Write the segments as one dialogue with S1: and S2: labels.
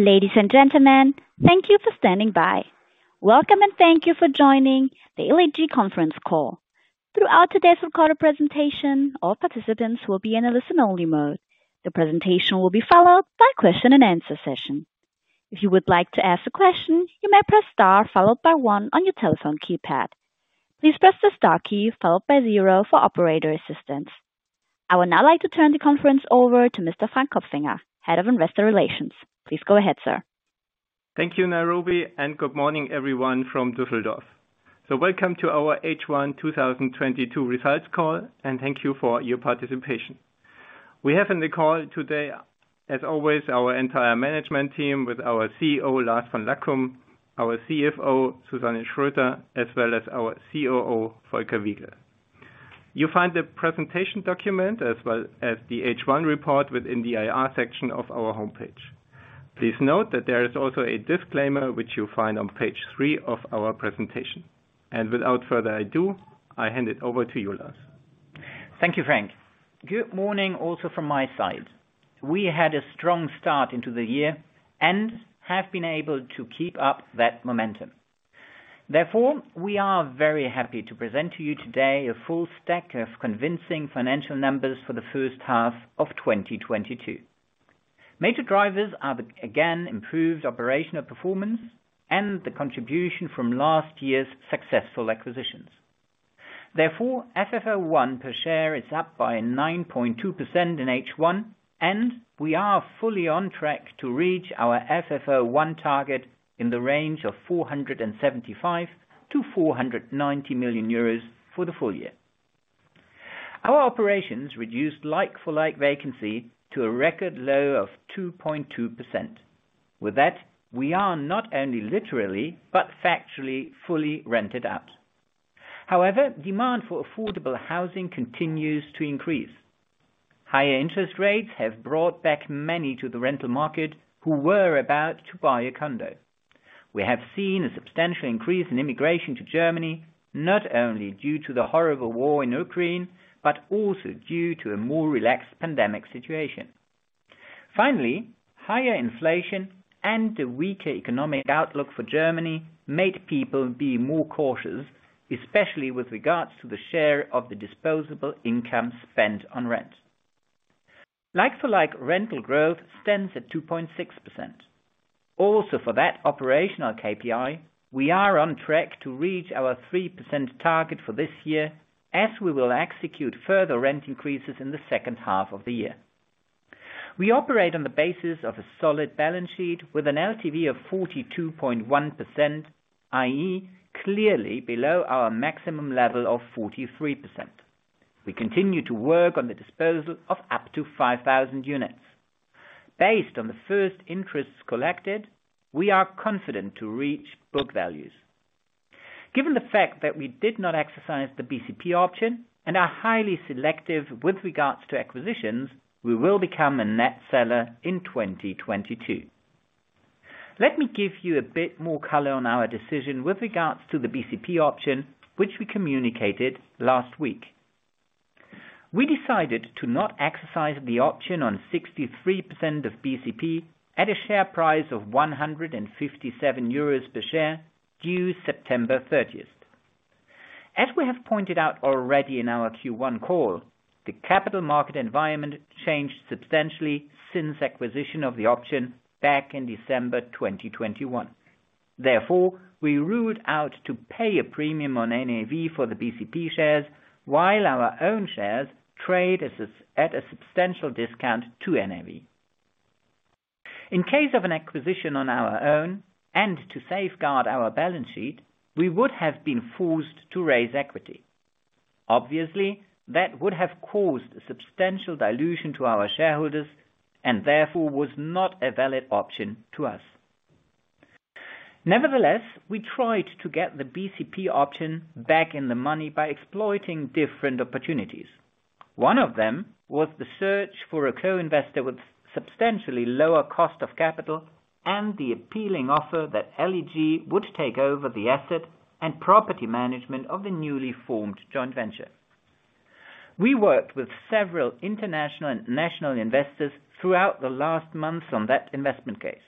S1: Ladies and gentlemen, thank you for standing by. Welcome and thank you for joining the LEG Conference Call. Throughout today's recorded presentation, all participants will be in a listen-only mode. The presentation will be followed by question-and-answer session. If you would like to ask a question, you may press star followed by one on your telephone keypad. Please press the star key followed by zero for operator assistance. I would now like to turn the conference over to Mr. Frank Kopfinger, Head of Investor Relations. Please go ahead, sir.
S2: Thank you, Operator, and good morning, everyone from Düsseldorf. Welcome to our H1 2022 Results Call, and thank you for your participation. We have in the call today, as always, our entire management team with our CEO, Lars von Lackum, our CFO, Susanne Schröter-Crossan, as well as our COO, Volker Wiegel. You'll find the presentation document as well as the H1 report within the IR section of our homepage. Please note that there is also a disclaimer which you'll find on page three of our presentation. Without further ado, I hand it over to you, Lars.
S3: Thank you, Frank. Good morning also from my side. We had a strong start into the year and have been able to keep up that momentum. Therefore, we are very happy to present to you today a full stack of convincing financial numbers for the first half of 2022. Major drivers are the, again, improved operational performance and the contribution from last year's successful acquisitions. Therefore, FFO I per share is up by 9.2% in H1, and we are fully on track to reach our FFO I target in the range of 475 million to 490 million euros for the full year. Our operations reduced like-for-like vacancy to a record low of 2.2%. With that, we are not only literally, but factually fully rented out. However, demand for affordable housing continues to increase. Higher interest rates have brought back many to the rental market who were about to buy a condo. We have seen a substantial increase in immigration to Germany, not only due to the horrible war in Ukraine, but also due to a more relaxed pandemic situation. Finally, higher inflation and the weaker economic outlook for Germany made people be more cautious, especially with regards to the share of the disposable income spent on rent. Like for like rental growth stands at 2.6%. Also, for that operational KPI, we are on track to reach our 3% target for this year as we will execute further rent increases in the second half of the year. We operate on the basis of a solid balance sheet with an LTV of 42.1%, i.e., clearly below our maximum level of 43%. We continue to work on the disposal of up to 5,000 units. Based on the first interests collected, we are confident to reach book values. Given the fact that we did not exercise the BCP option and are highly selective with regards to acquisitions, we will become a net seller in 2022. Let me give you a bit more color on our decision with regards to the BCP option, which we communicated last week. We decided to not exercise the option on 63% of BCP at a share price of 157 euros per share due September 30th. As we have pointed out already in our Q1 call, the capital market environment changed substantially since acquisition of the option back in December 2021. Therefore, we ruled out paying a premium on NAV for the BCP shares while our own shares trade at a substantial discount to NAV. In case of an acquisition on our own and to safeguard our balance sheet, we would have been forced to raise equity. Obviously, that would have caused a substantial dilution to our shareholders and therefore was not a valid option to us. Nevertheless, we tried to get the BCP option back in the money by exploiting different opportunities. One of them was the search for a co-investor with substantially lower cost of capital and the appealing offer that LEG would take over the asset and property management of the newly formed joint venture. We worked with several international and national investors throughout the last months on that investment case.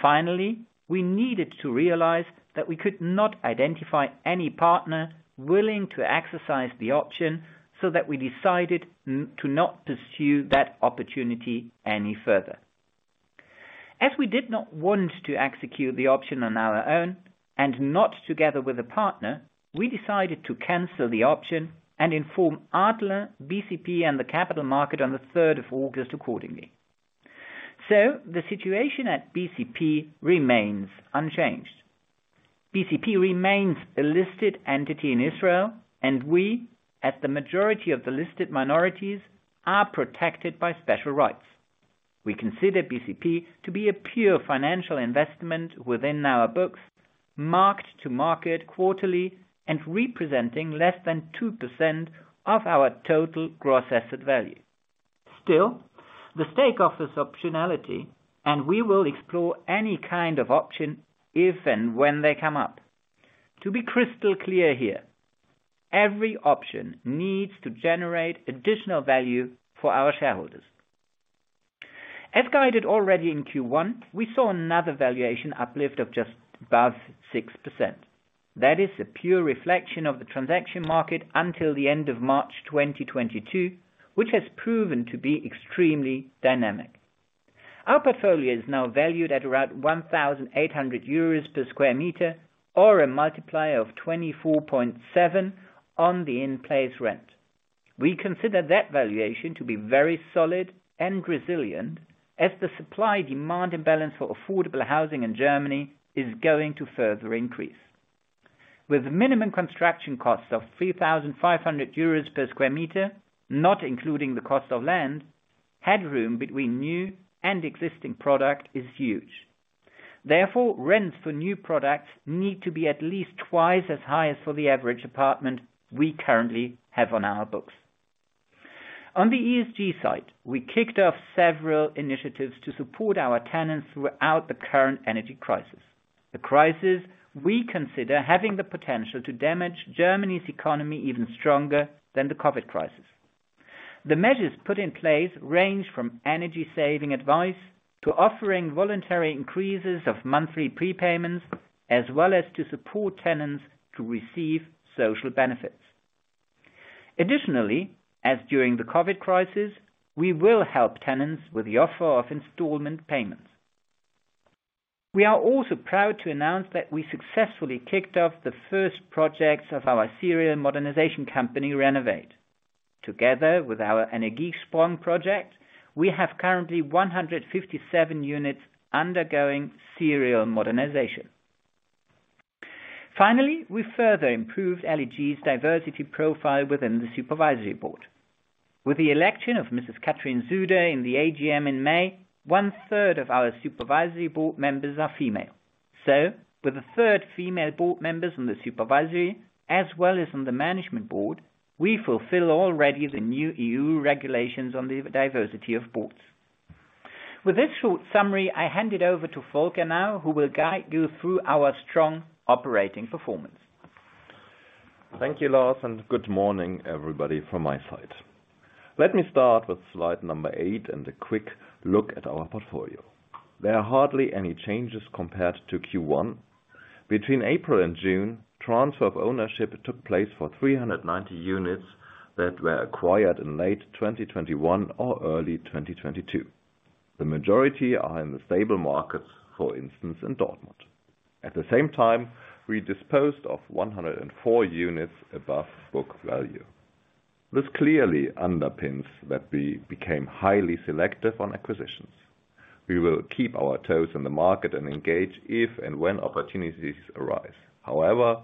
S3: Finally, we needed to realize that we could not identify any partner willing to exercise the option so that we decided to not pursue that opportunity any further. As we did not want to execute the option on our own and not together with a partner, we decided to cancel the option and inform Adler, BCP, and the capital market on the 3rd of August accordingly. The situation at BCP remains unchanged. BCP remains a listed entity in Israel, and we, as the majority of the listed minorities, are protected by special rights. We consider BCP to be a pure financial investment within our books, marked to market quarterly and representing less than 2% of our total gross asset value. Still, the stake offers optionality, and we will explore any kind of option if and when they come up. To be crystal clear here, every option needs to generate additional value for our shareholders. As guided already in Q1, we saw another valuation uplift of just above 6%. That is a pure reflection of the transaction market until the end of March 2022, which has proven to be extremely dynamic. Our portfolio is now valued at around 1,800 euros per sq m or a multiplier of 24.7x on the in-place rent. We consider that valuation to be very solid and resilient as the supply-demand imbalance for affordable housing in Germany is going to further increase. With minimum construction costs of 3,500 euros per sq m, not including the cost of land, headroom between new and existing product is huge. Therefore, rents for new products need to be at least twice as high as for the average apartment we currently have on our books. On the ESG side, we kicked off several initiatives to support our tenants throughout the current energy crisis, the crisis we consider having the potential to damage Germany's economy even stronger than the COVID crisis. The measures put in place range from energy-saving advice to offering voluntary increases of monthly prepayments, as well as to support tenants to receive social benefits. Additionally, as during the COVID crisis, we will help tenants with the offer of installment payments. We are also proud to announce that we successfully kicked off the first projects of our serial modernization company, RENOWATE. Together with our Energiesprong project, we have currently 157 units undergoing serial modernization. Finally, we further improved LEG's diversity profile within the Supervisory Board. With the election of Mrs. Katrin Suder in the AGM in May, 1/3 of our Supervisory Board members are female. With a third female Board Members on the supervisory as well as on the Management Board, we fulfill already the new EU regulations on the diversity of Boards. With this short summary, I hand it over to Volker Wiegel now, who will guide you through our strong operating performance.
S4: Thank you, Lars, and good morning, everybody, from my side. Let me start with slide number eight and a quick look at our portfolio. There are hardly any changes compared to Q1. Between April and June, transfer of ownership took place for 390 units that were acquired in late 2021 or early 2022. The majority are in the stable markets, for instance, in Dortmund. At the same time, we disposed of 104 units above book value. This clearly underpins that we became highly selective on acquisitions. We will keep our toes in the market and engage if and when opportunities arise. However,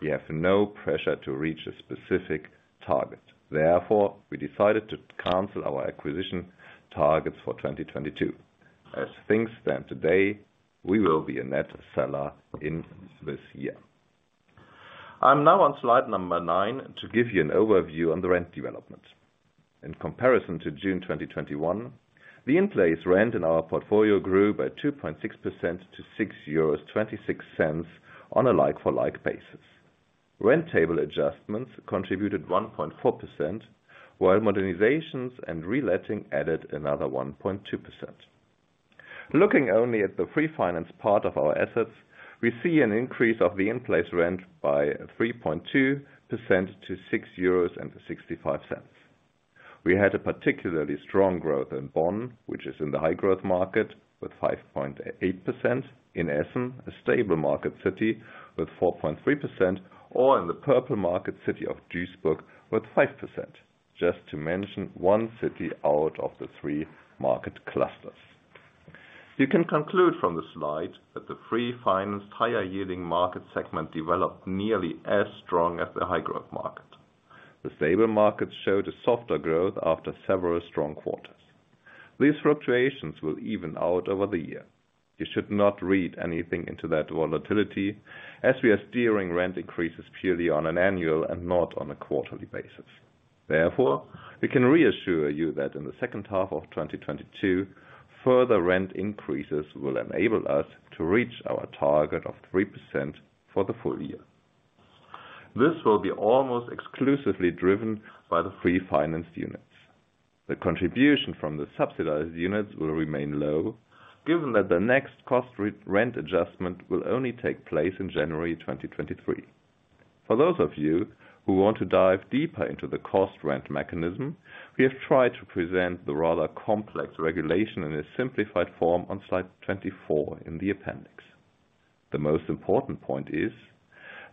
S4: we have no pressure to reach a specific target. Therefore, we decided to cancel our acquisition targets for 2022. As things stand today, we will be a net seller in this year. I'm now on slide number nine to give you an overview on the rent development. In comparison to June 2021, the in-place rent in our portfolio grew by 2.6% to 6.26 euros on a like-for-like basis. Rent table adjustments contributed 1.4%, while modernizations and reletting added another 1.2%. Looking only at the free finance part of our assets, we see an increase of the in-place rent by 3.2% to 6.65 euros. We had a particularly strong growth in Bonn, which is in the high-growth market, with 5.8%, in Essen, a stable market city, with 4.3%, or in the purple market city of Duisburg, with 5%, just to mention one city out of the 3 market clusters. You can conclude from the slide that the free-financed higher-yielding market segment developed nearly as strong as the high-growth market. The stable market showed a softer growth after several strong quarters. These fluctuations will even out over the year. You should not read anything into that volatility, as we are steering rent increases purely on an annual and not on a quarterly basis. Therefore, we can reassure you that in the second half of 2022, further rent increases will enable us to reach our target of 3% for the full year. This will be almost exclusively driven by the free-financed units. The contribution from the subsidized units will remain low, given that the next cost-rent adjustment will only take place in January 2023. For those of you who want to dive deeper into the cost rent mechanism, we have tried to present the rather complex regulation in a simplified form on slide 24 in the appendix. The most important point is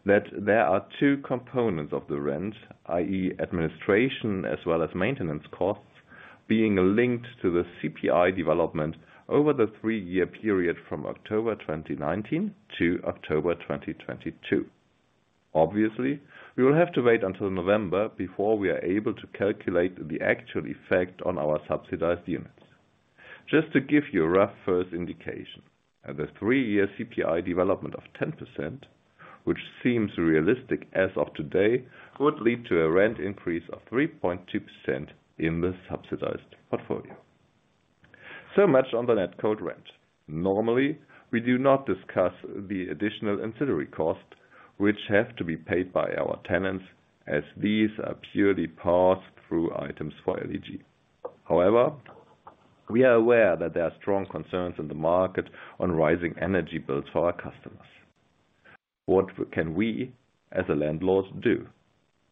S4: that there are two components of the rent, i.e. administration as well as maintenance costs, being linked to the CPI development over the three-year period from October 2019 to October 2022. Obviously, we will have to wait until November before we are able to calculate the actual effect on our subsidized units. Just to give you a rough first indication, at the three-year CPI development of 10%, which seems realistic as of today, would lead to a rent increase of 3.2% in the subsidized portfolio. Much on the net cold rent. Normally, we do not discuss the additional ancillary costs which have to be paid by our tenants as these are purely pass-through items for LEG. However, we are aware that there are strong concerns in the market on rising energy bills for our customers. What can we, as a landlord, do?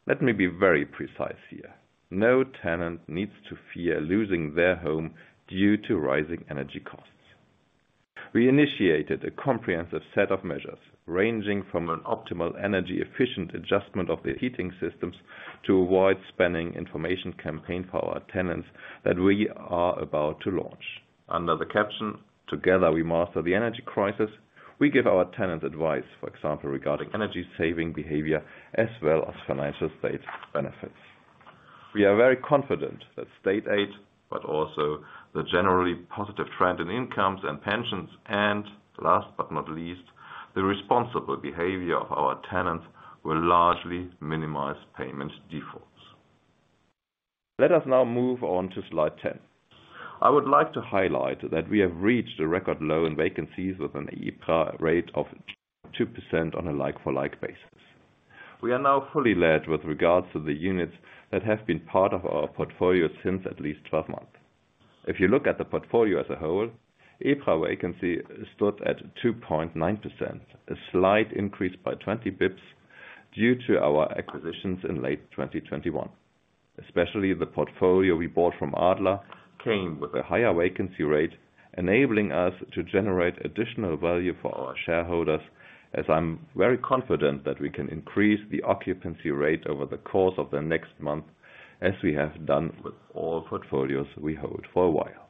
S4: Let me be very precise here. No tenant needs to fear losing their home due to rising energy costs. We initiated a comprehensive set of measures ranging from an optimal energy-efficient adjustment of the heating systems to an advice and information campaign for our tenants that we are about to launch. Under the caption, Together We Master the Energy Crisis, we give our tenants advice, for example, regarding energy-saving behavior as well as financial state benefits. We are very confident that state aid, but also the generally positive trend in incomes and pensions, and last but not least, the responsible behavior of our tenants will largely minimize payment defaults. Let us now move on to slide 10. I would like to highlight that we have reached a record low in vacancies with an EPRA rate of 2% on a like for like basis. We are now fully let with regards to the units that have been part of our portfolio since at least 12 months. If you look at the portfolio as a whole, EPRA vacancy stood at 2.9%, a slight increase by 20 basis points due to our acquisitions in late 2021. Especially the portfolio we bought from Adler came with a higher vacancy rate, enabling us to generate additional value for our shareholders, as I'm very confident that we can increase the occupancy rate over the course of the next month, as we have done with all portfolios we hold for a while.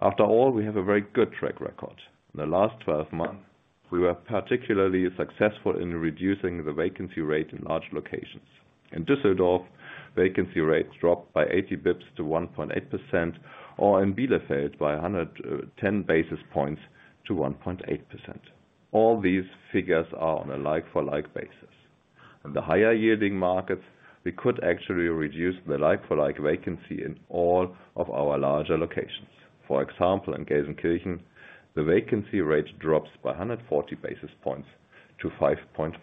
S4: After all, we have a very good track record. In the last 12 months, we were particularly successful in reducing the vacancy rate in large locations. In Düsseldorf, vacancy rates dropped by 80 basis points to 1.8%, or in Bielefeld by 110 basis points to 1.8%. All these figures are on a like for like basis. In the higher yielding markets, we could actually reduce the like for like vacancy in all of our larger locations. For example, in Gelsenkirchen, the vacancy rate drops by 140 basis points to 5.5%.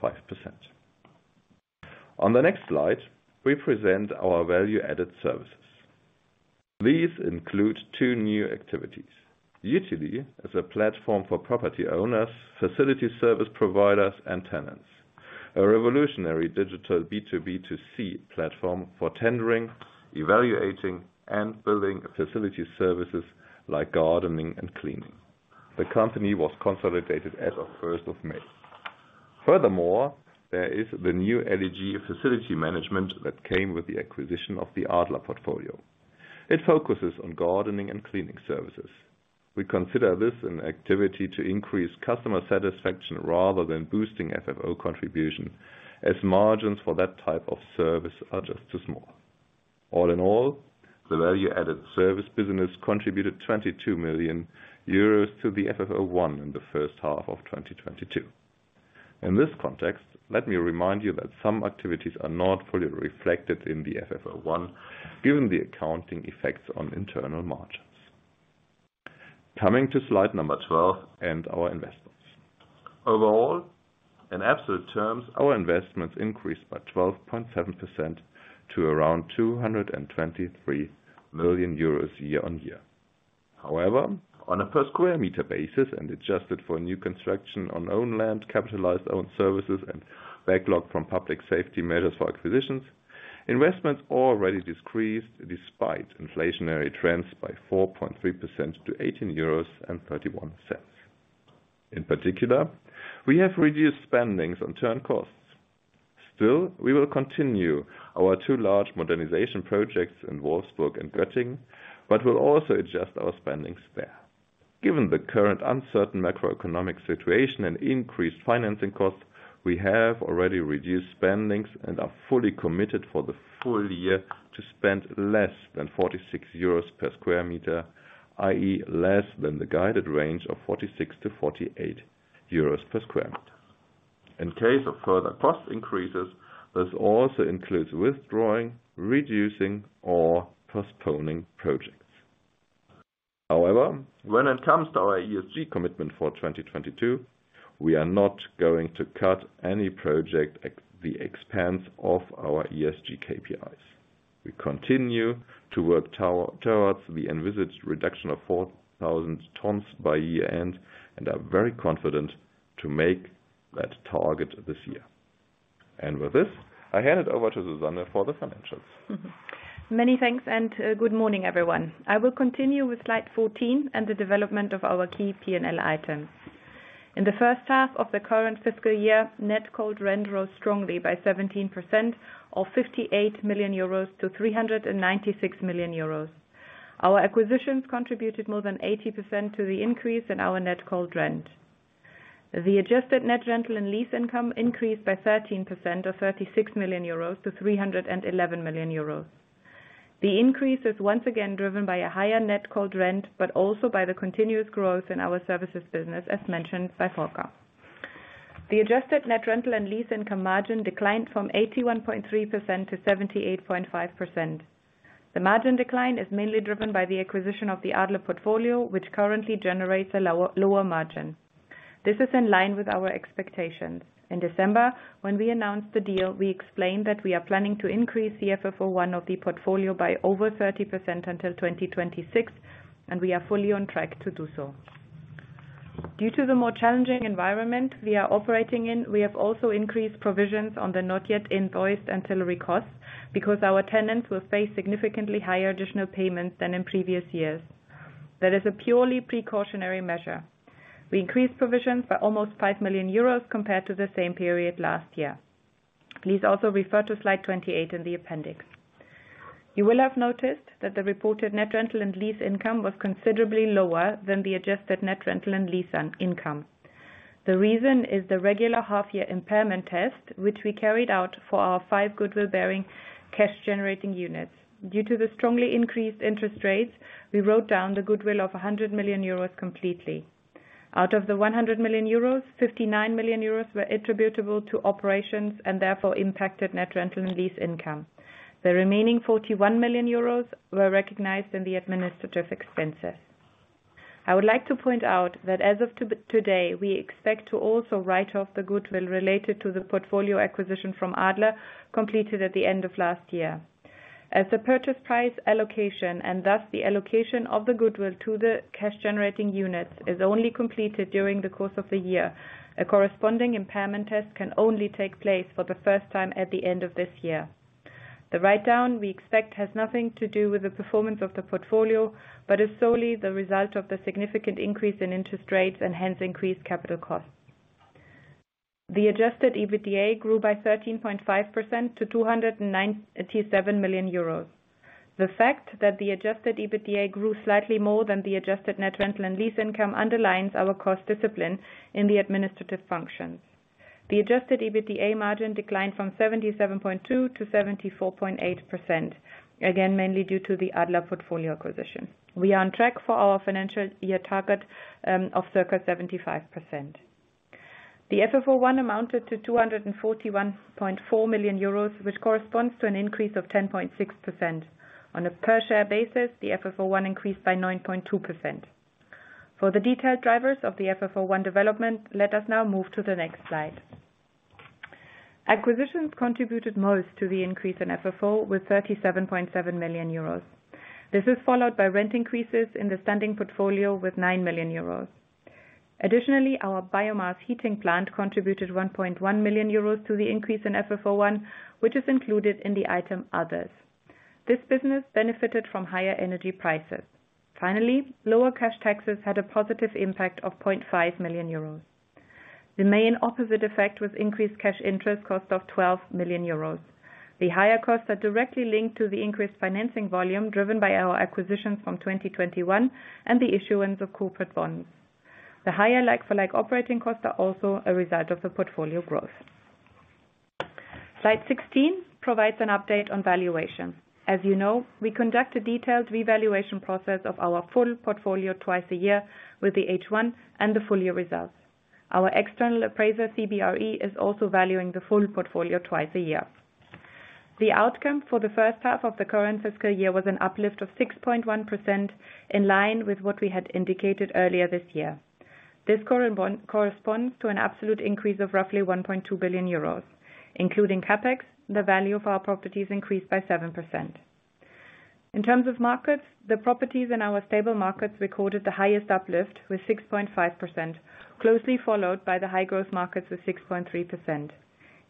S4: On the next slide, we present our value-added services. These include two new activities. Youtilly is a platform for property owners, facility service providers, and tenants. A revolutionary digital B2B2C platform for tendering, evaluating, and building facility services like gardening and cleaning. The company was consolidated as of first of May. Furthermore, there is the new LEG facility management that came with the acquisition of the Adler portfolio. It focuses on gardening and cleaning services. We consider this an activity to increase customer satisfaction rather than boosting FFO contribution, as margins for that type of service are just too small. All in all, the value-added service business contributed 22 million euros to the FFO I in the first half of 2022. In this context, let me remind you that some activities are not fully reflected in the FFO I, given the accounting effects on internal margins. Coming to slide number 12 and our investments. Overall, in absolute terms, our investments increased by 12.7% to around 223 million euros year-over-year. However, on a per square meter basis and adjusted for new construction on owned land, capitalized owned services, and backlog from public safety measures for acquisitions, investments already decreased despite inflationary trends by 4.3% to 18.31 euros. In particular, we have reduced spending on turn costs. Still, we will continue our two large modernization projects in Wolfsburg and Göttingen, but will also adjust our spending there. Given the current uncertain macroeconomic situation and increased financing costs, we have already reduced spending and are fully committed for the full year to spend less than 46 euros per sq m, i.e., less than the guided range of 46 to 48 euros per sq m. In case of further cost increases, this also includes withdrawing, reducing, or postponing projects. However, when it comes to our ESG commitment for 2022, we are not going to cut any project at the expense of our ESG KPIs. We continue to work towards the envisaged reduction of 4,000 tons by year-end and are very confident to make that target this year. With this, I hand it over to Susanne for the financials.
S5: Many thanks and, good morning, everyone. I will continue with slide 14 and the development of our key P&L items. In the first half of the current fiscal year, net cold rent rose strongly by 17% or 58 million euros to 396 million euros. Our acquisitions contributed more than 80% to the increase in our net cold rent. The adjusted net rental and lease income increased by 13% or 36 million euros to 311 million euros. The increase is once again driven by a higher net cold rent, but also by the continuous growth in our services business, as mentioned by Volker. The adjusted net rental and lease income margin declined from 81.3%-78.5%. The margin decline is mainly driven by the acquisition of the Adler portfolio, which currently generates a lower margin. This is in line with our expectations. In December, when we announced the deal, we explained that we are planning to increase the FFO I of the portfolio by over 30% until 2026, and we are fully on track to do so. Due to the more challenging environment we are operating in, we have also increased provisions on the not yet invoiced ancillary costs because our tenants will face significantly higher additional payments than in previous years. That is a purely precautionary measure. We increased provisions by almost 5 million euros compared to the same period last year. Please also refer to slide 28 in the appendix. You will have noticed that the reported net rental and lease income was considerably lower than the adjusted net rental and lease income. The reason is the regular half year impairment test, which we carried out for our five goodwill bearing cash generating units. Due to the strongly increased interest rates, we wrote down the goodwill of 100 million euros completely. Out of the 100 million euros, 59 million euros were attributable to operations and therefore impacted net rental and lease income. The remaining 41 million euros were recognized in the administrative expenses. I would like to point out that as of today, we expect to also write off the goodwill related to the portfolio acquisition from Adler, completed at the end of last year. As the purchase price allocation and thus the allocation of the goodwill to the cash generating units is only completed during the course of the year, a corresponding impairment test can only take place for the first time at the end of this year. The write-down, we expect, has nothing to do with the performance of the portfolio, but is solely the result of the significant increase in interest rates and hence increased capital costs. The adjusted EBITDA grew by 13.5% to 297 million euros. The fact that the adjusted EBITDA grew slightly more than the adjusted net rental and lease income underlines our cost discipline in the administrative functions. The adjusted EBITDA margin declined from 77.2%-74.8%, again, mainly due to the Adler portfolio acquisition. We are on track for our financial year target of circa 75%. The FFO I amounted to 241.4 million euros, which corresponds to an increase of 10.6%. On a per share basis, the FFO I increased by 9.2%. For the detailed drivers of the FFO I development, let us now move to the next slide. Acquisitions contributed most to the increase in FFO I with 37.7 million euros. This is followed by rent increases in the standing portfolio with 9 million euros. Additionally, our biomass heating plant contributed 1.1 million euros to the increase in FFO I, which is included in the item others. This business benefited from higher energy prices. Finally, lower cash taxes had a positive impact of 0.5 million euros. The main opposite effect with increased cash interest cost of 12 million euros. The higher costs are directly linked to the increased financing volume driven by our acquisitions from 2021 and the issuance of corporate bonds. The higher like for like operating costs are also a result of the portfolio growth. Slide 16 provides an update on valuation. As you know, we conduct a detailed revaluation process of our full portfolio twice a year with the H1 and the full year results. Our external appraiser, CBRE, is also valuing the full portfolio twice a year. The outcome for the first half of the current fiscal year was an uplift of 6.1% in line with what we had indicated earlier this year. This corresponds to an absolute increase of roughly 1.2 billion euros, including CapEx, the value of our properties increased by 7%. In terms of markets, the properties in our stable markets recorded the highest uplift with 6.5%, closely followed by the high growth markets with 6.3%.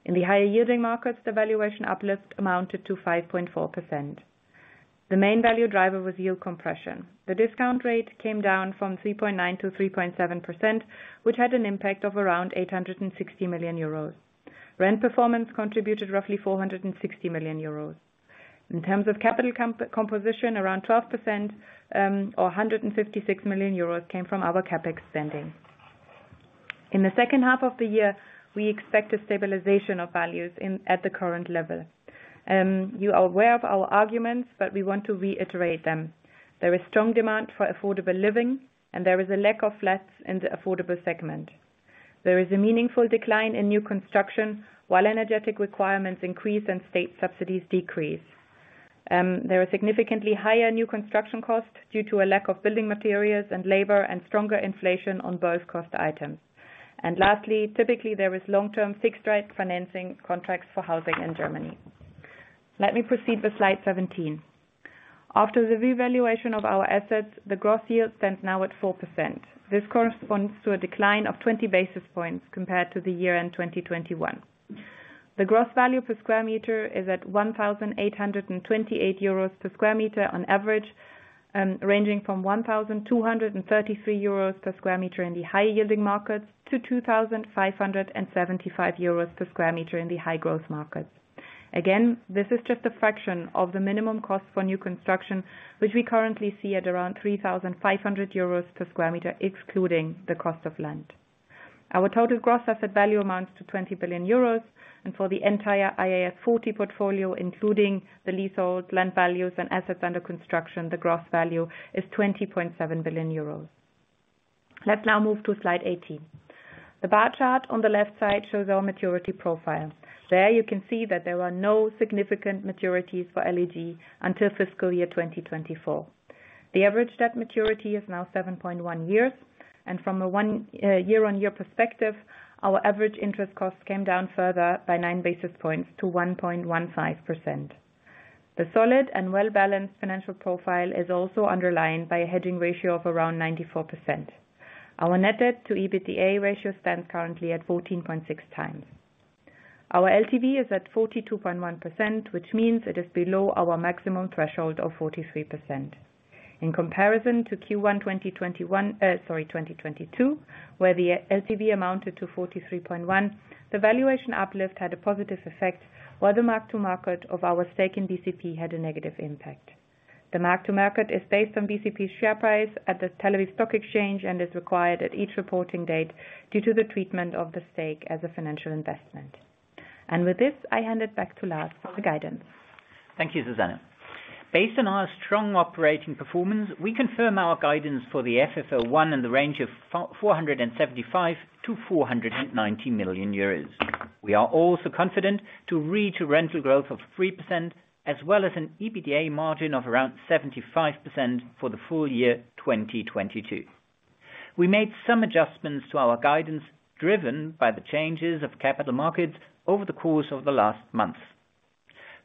S5: In the higher yielding markets, the valuation uplift amounted to 5.4%. The main value driver was yield compression. The discount rate came down from 3.9%-3.7%, which had an impact of around 860 million euros. Rent performance contributed roughly 460 million euros. In terms of capital composition, around 12%, or 156 million euros came from our CapEx spending. In the second half of the year, we expect a stabilization of values at the current level. You are aware of our arguments, but we want to reiterate them. There is strong demand for affordable living and there is a lack of flats in the affordable segment. There is a meaningful decline in new construction while energy requirements increase and state subsidies decrease. There are significantly higher new construction costs due to a lack of building materials and labor and stronger inflation on both cost items. Lastly, typically, there is long-term fixed rate financing contracts for housing in Germany. Let me proceed with slide 17. After the revaluation of our assets, the gross yield stands now at 4%. This corresponds to a decline of 20 basis points compared to the year-end 2021. The gross value per square meter is at 1,828 euros per square meter on average, ranging from 1,233 euros per square meter in the high yielding markets to 2,575 euros per square meter in the high growth markets. Again, this is just a fraction of the minimum cost for new construction, which we currently see at around 3,500 euros per square meter, excluding the cost of land. Our total gross asset value amounts to 20 billion euros, and for the entire IAS 40 portfolio, including the leasehold land values and assets under construction, the gross value is 20.7 billion euros. Let's now move to slide 18. The bar chart on the left side shows our maturity profile. There you can see that there are no significant maturities for LEG until fiscal year 2024. The average debt maturity is now 7.1 years, and from a one year-on-year perspective, our average interest cost came down further by nine basis points to 1.15%. The solid and well balanced financial profile is also underlined by a hedging ratio of around 94%. Our net debt to EBITDA ratio stands currently at 14.6x. Our LTV is at 42.1%, which means it is below our maximum threshold of 43%. In comparison to Q1 2022, where the LTV amounted to 43.1%, the valuation uplift had a positive effect, while the mark-to-market of our stake in BCP had a negative impact. The mark-to-market is based on BCP's share price at the Tel Aviv Stock Exchange and is required at each reporting date due to the treatment of the stake as a financial investment. With this, I hand it back to Lars for the guidance.
S3: Thank you, Susanne. Based on our strong operating performance, we confirm our guidance for the FFO I in the range of 475 million to 490 million euros. We are also confident to reach a rental growth of 3% as well as an EBITDA margin of around 75% for the full year 2022. We made some adjustments to our guidance, driven by the changes of capital markets over the course of the last month.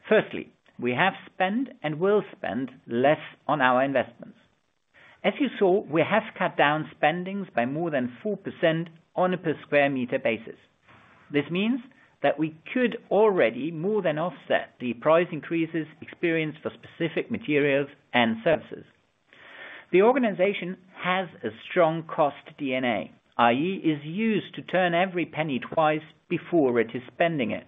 S3: Firstly, we have spent and will spend less on our investments. As you saw, we have cut down spending by more than 4% on a per square meter basis. This means that we could already more than offset the price increases experienced for specific materials and services. The organization has a strong cost DNA, i.e., is used to turn every penny twice before it is spending it.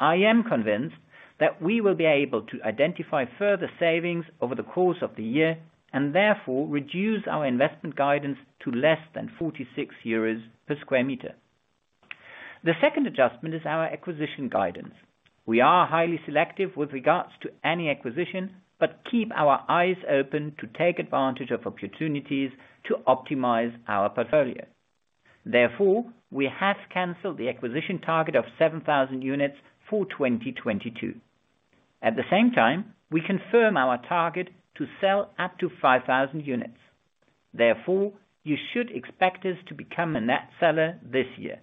S3: I am convinced that we will be able to identify further savings over the course of the year and therefore reduce our investment guidance to less than 46 euros per square meter. The second adjustment is our acquisition guidance. We are highly selective with regards to any acquisition, but keep our eyes open to take advantage of opportunities to optimize our portfolio. Therefore, we have canceled the acquisition target of 7,000 units for 2022. At the same time, we confirm our target to sell up to 5,000 units. Therefore, you should expect us to become a net seller this year.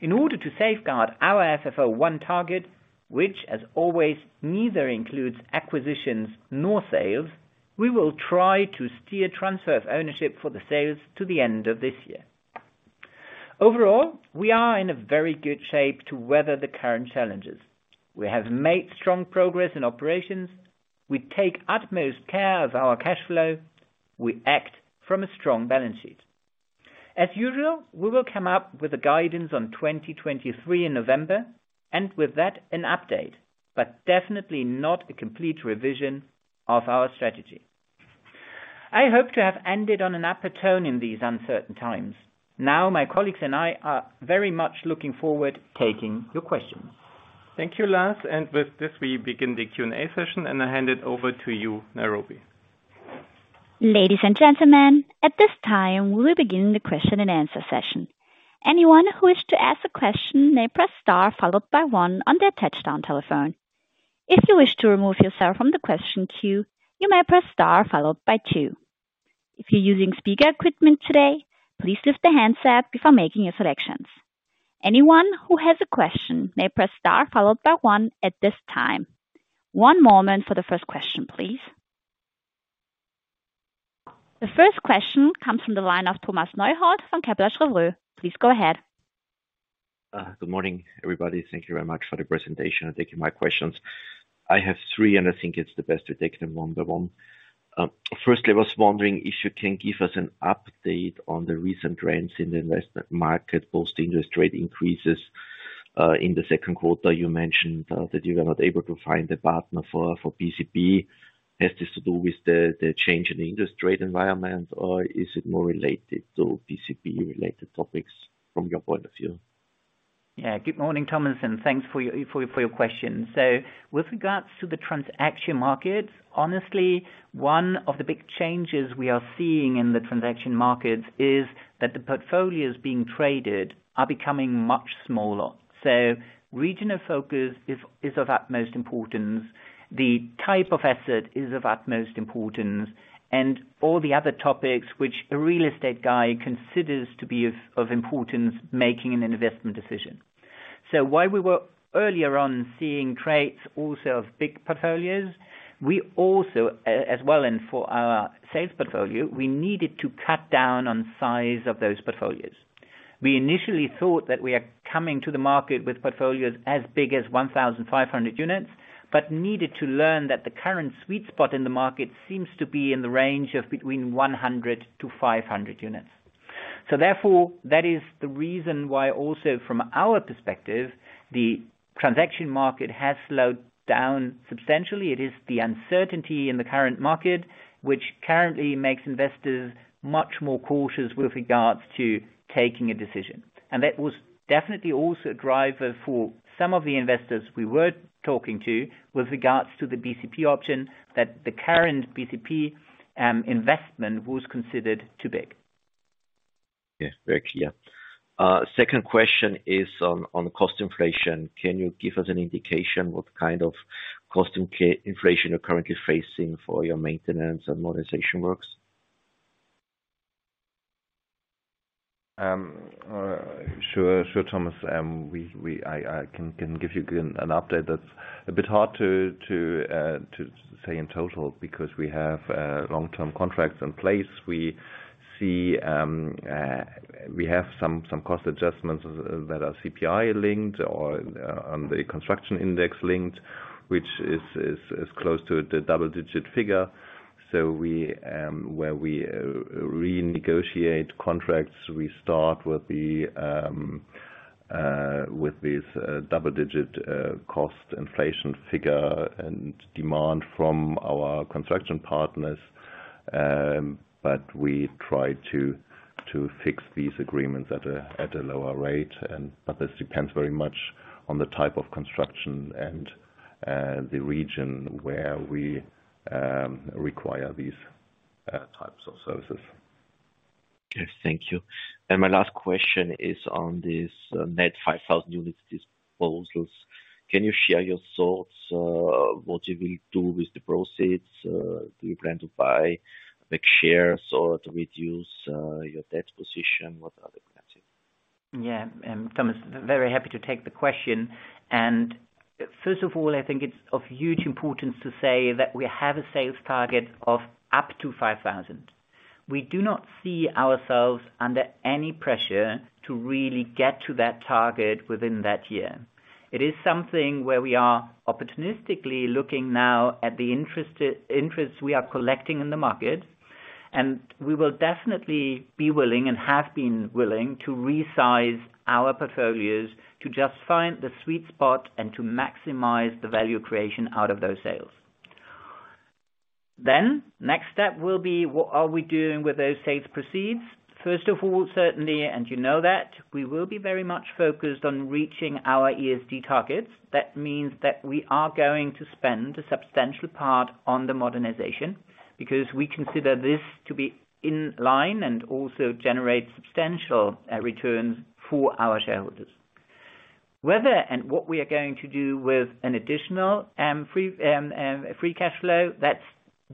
S3: In order to safeguard our FFO I target, which, as always, neither includes acquisitions nor sales, we will try to steer transfer of ownership for the sales to the end of this year. Overall, we are in a very good shape to weather the current challenges. We have made strong progress in operations. We take utmost care of our cash flow. We act from a strong balance sheet. As usual, we will come up with a guidance on 2023 in November, and with that an update, but definitely not a complete revision of our strategy. I hope to have ended on an upper tone in these uncertain times. Now my colleagues and I are very much looking forward to taking your questions.
S2: Thank you, Lars. With this, we begin the Q&A session, and I hand it over to you, Operator.
S1: Ladies and gentlemen, at this time, we'll begin the question and answer session. Anyone who wish to ask a question may press star followed by one on their touch-tone telephone. If you wish to remove yourself from the question queue, you may press star followed by two. If you're using speaker equipment today, please lift the handset before making your selections. Anyone who has a question may press star followed by one at this time. One moment for the first question, please. The first question comes from the line of Thomas Neuhold from Kepler Cheuvreux. Please go ahead.
S6: Good morning, everybody. Thank you very much for the presentation, and thank you for my questions. I have three, and I think it's the best to take them one by one. Firstly, I was wondering if you can give us an update on the recent trends in the investment market post-interest rate increases. In the second quarter, you mentioned that you were not able to find a partner for BCP. Has this to do with the change in the interest rate environment, or is it more related to BCP-related topics from your point of view?
S3: Good morning, Thomas, and thanks for your question. With regards to the transaction market, honestly, one of the big changes we are seeing in the transaction markets is that the portfolios being traded are becoming much smaller. Regional focus is of utmost importance. The type of asset is of utmost importance, and all the other topics which a real estate guy considers to be of importance making an investment decision. While we were earlier on seeing trades also of big portfolios, we also as well and for our sales portfolio, we needed to cut down on size of those portfolios. We initially thought that we are coming to the market with portfolios as big as 1,500 units, but needed to learn that the current sweet spot in the market seems to be in the range of between 100-500 units. Therefore, that is the reason why also from our perspective, the transaction market has slowed down substantially. It is the uncertainty in the current market which currently makes investors much more cautious with regards to taking a decision. That was definitely also a driver for some of the investors we were talking to with regards to the BCP option, that the current BCP investment was considered too big.
S6: Very clear. Second question is on cost inflation. Can you give us an indication what kind of cost inflation you're currently facing for your maintenance and modernization works?
S4: Sure, Thomas. I can give you an update that's a bit hard to say in total because we have long-term contracts in place. We see we have some cost adjustments that are CPI-linked or on the construction index-linked, which is close to the double-digit figure. Where we renegotiate contracts, we start with this double-digit cost inflation figure and demand from our construction partners. We try to fix these agreements at a lower rate, but this depends very much on the type of construction and the region where we require these types of services.
S6: Okay. Thank you. My last question is on this net 5,000 units disposals. Can you share your thoughts, what you will do with the proceeds? Do you plan to buy back shares or to reduce your debt position? What are the plans here?
S3: Thomas, very happy to take the question. First of all, I think it's of huge importance to say that we have a sales target of up to 5,000. We do not see ourselves under any pressure to really get to that target within that year. It is something where we are opportunistically looking now at the interests we are collecting in the market, and we will definitely be willing and have been willing to resize our portfolios to just find the sweet spot and to maximize the value creation out of those sales. Next step will be what are we doing with those sales proceeds. First of all, certainly, and you know that, we will be very much focused on reaching our ESG targets. That means that we are going to spend a substantial part on the modernization because we consider this to be in line and also generate substantial returns for our shareholders. Whether and what we are going to do with an additional free cash flow, that's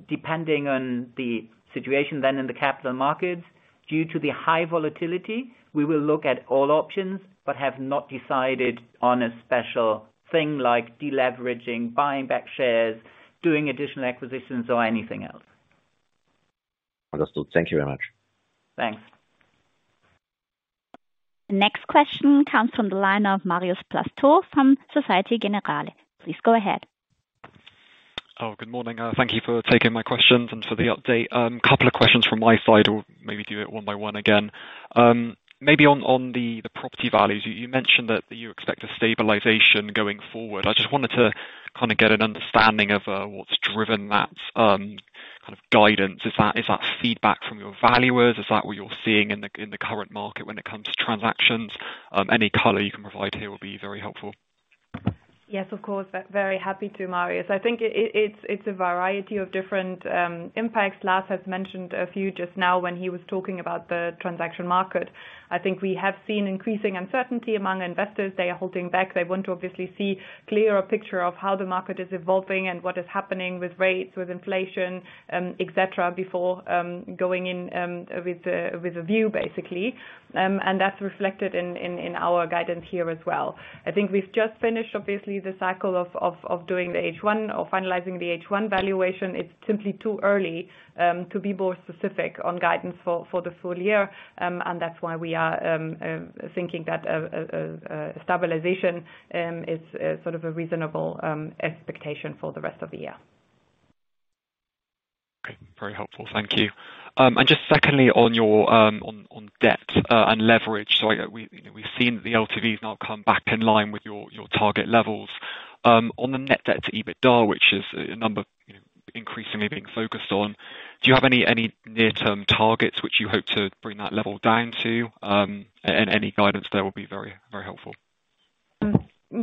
S3: depending on the situation then in the capital markets. Due to the high volatility, we will look at all options, but have not decided on a special thing like deleveraging, buying back shares, doing additional acquisitions or anything else.
S6: Understood. Thank you very much.
S3: Thanks.
S1: Next question comes from the line of Marios Pastou from Société Générale. Please go ahead.
S7: Good morning. Thank you for taking my questions and for the update. Couple of questions from my side or maybe do it one by one again. Maybe on the property values. You mentioned that you expect a stabilization going forward. I just wanted to kinda get an understanding of what's driven that kind of guidance. Is that feedback from your valuers? Is that what you're seeing in the current market when it comes to transactions? Any color you can provide here will be very helpful.
S5: Yes, of course. Very happy to, Marios. I think it's a variety of different impacts. Lars has mentioned a few just now when he was talking about the transaction market. I think we have seen increasing uncertainty among investors. They are holding back. They want to obviously see clearer picture of how the market is evolving and what is happening with rates, with inflation, et cetera, before going in with a view basically. That's reflected in our guidance here as well. I think we've just finished obviously the cycle of doing the H1 or finalizing the H1 valuation. It's simply too early to be more specific on guidance for the full year. That's why we are thinking that stabilization is sort of a reasonable expectation for the rest of the year.
S7: Okay. Very helpful. Thank you. Just secondly on your own debt and leverage. We've seen the LTVs now come back in line with your target levels. On the net debt to EBITDA, which is a number you know increasingly being focused on, do you have any near-term targets which you hope to bring that level down to? Any guidance there will be very helpful.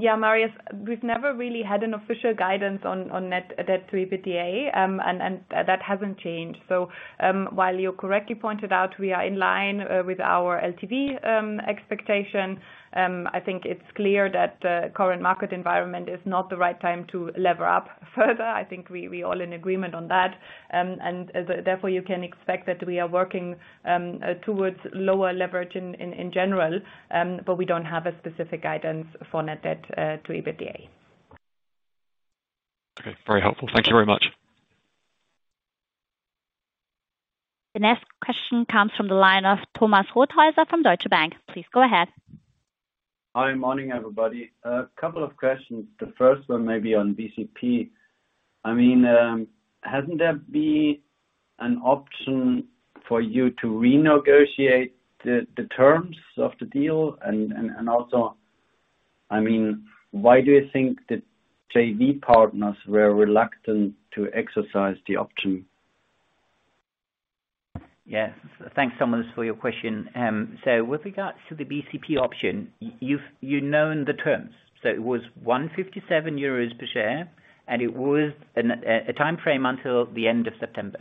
S5: Marios. We've never really had an official guidance on net debt to EBITDA, and that hasn't changed. While you correctly pointed out we are in line with our LTV expectation, I think it's clear that current market environment is not the right time to lever up further. I think we all in agreement on that. Therefore you can expect that we are working towards lower leverage in general, but we don't have a specific guidance for net debt to EBITDA.
S7: Okay. Very helpful. Thank you very much.
S1: The next question comes from the line of Thomas Rothäusler from Deutsche Bank. Please go ahead.
S8: Hi. Morning, everybody. A couple of questions. The first one maybe on BCP. I mean, hasn't there been an option for you to renegotiate the terms of the deal? Also, why do you think the JV partners were reluctant to exercise the option?
S3: Yes. Thanks, Thomas, for your question. With regards to the BCP option, you've known the terms. It was 157 euros per share, and it was a timeframe until the end of September.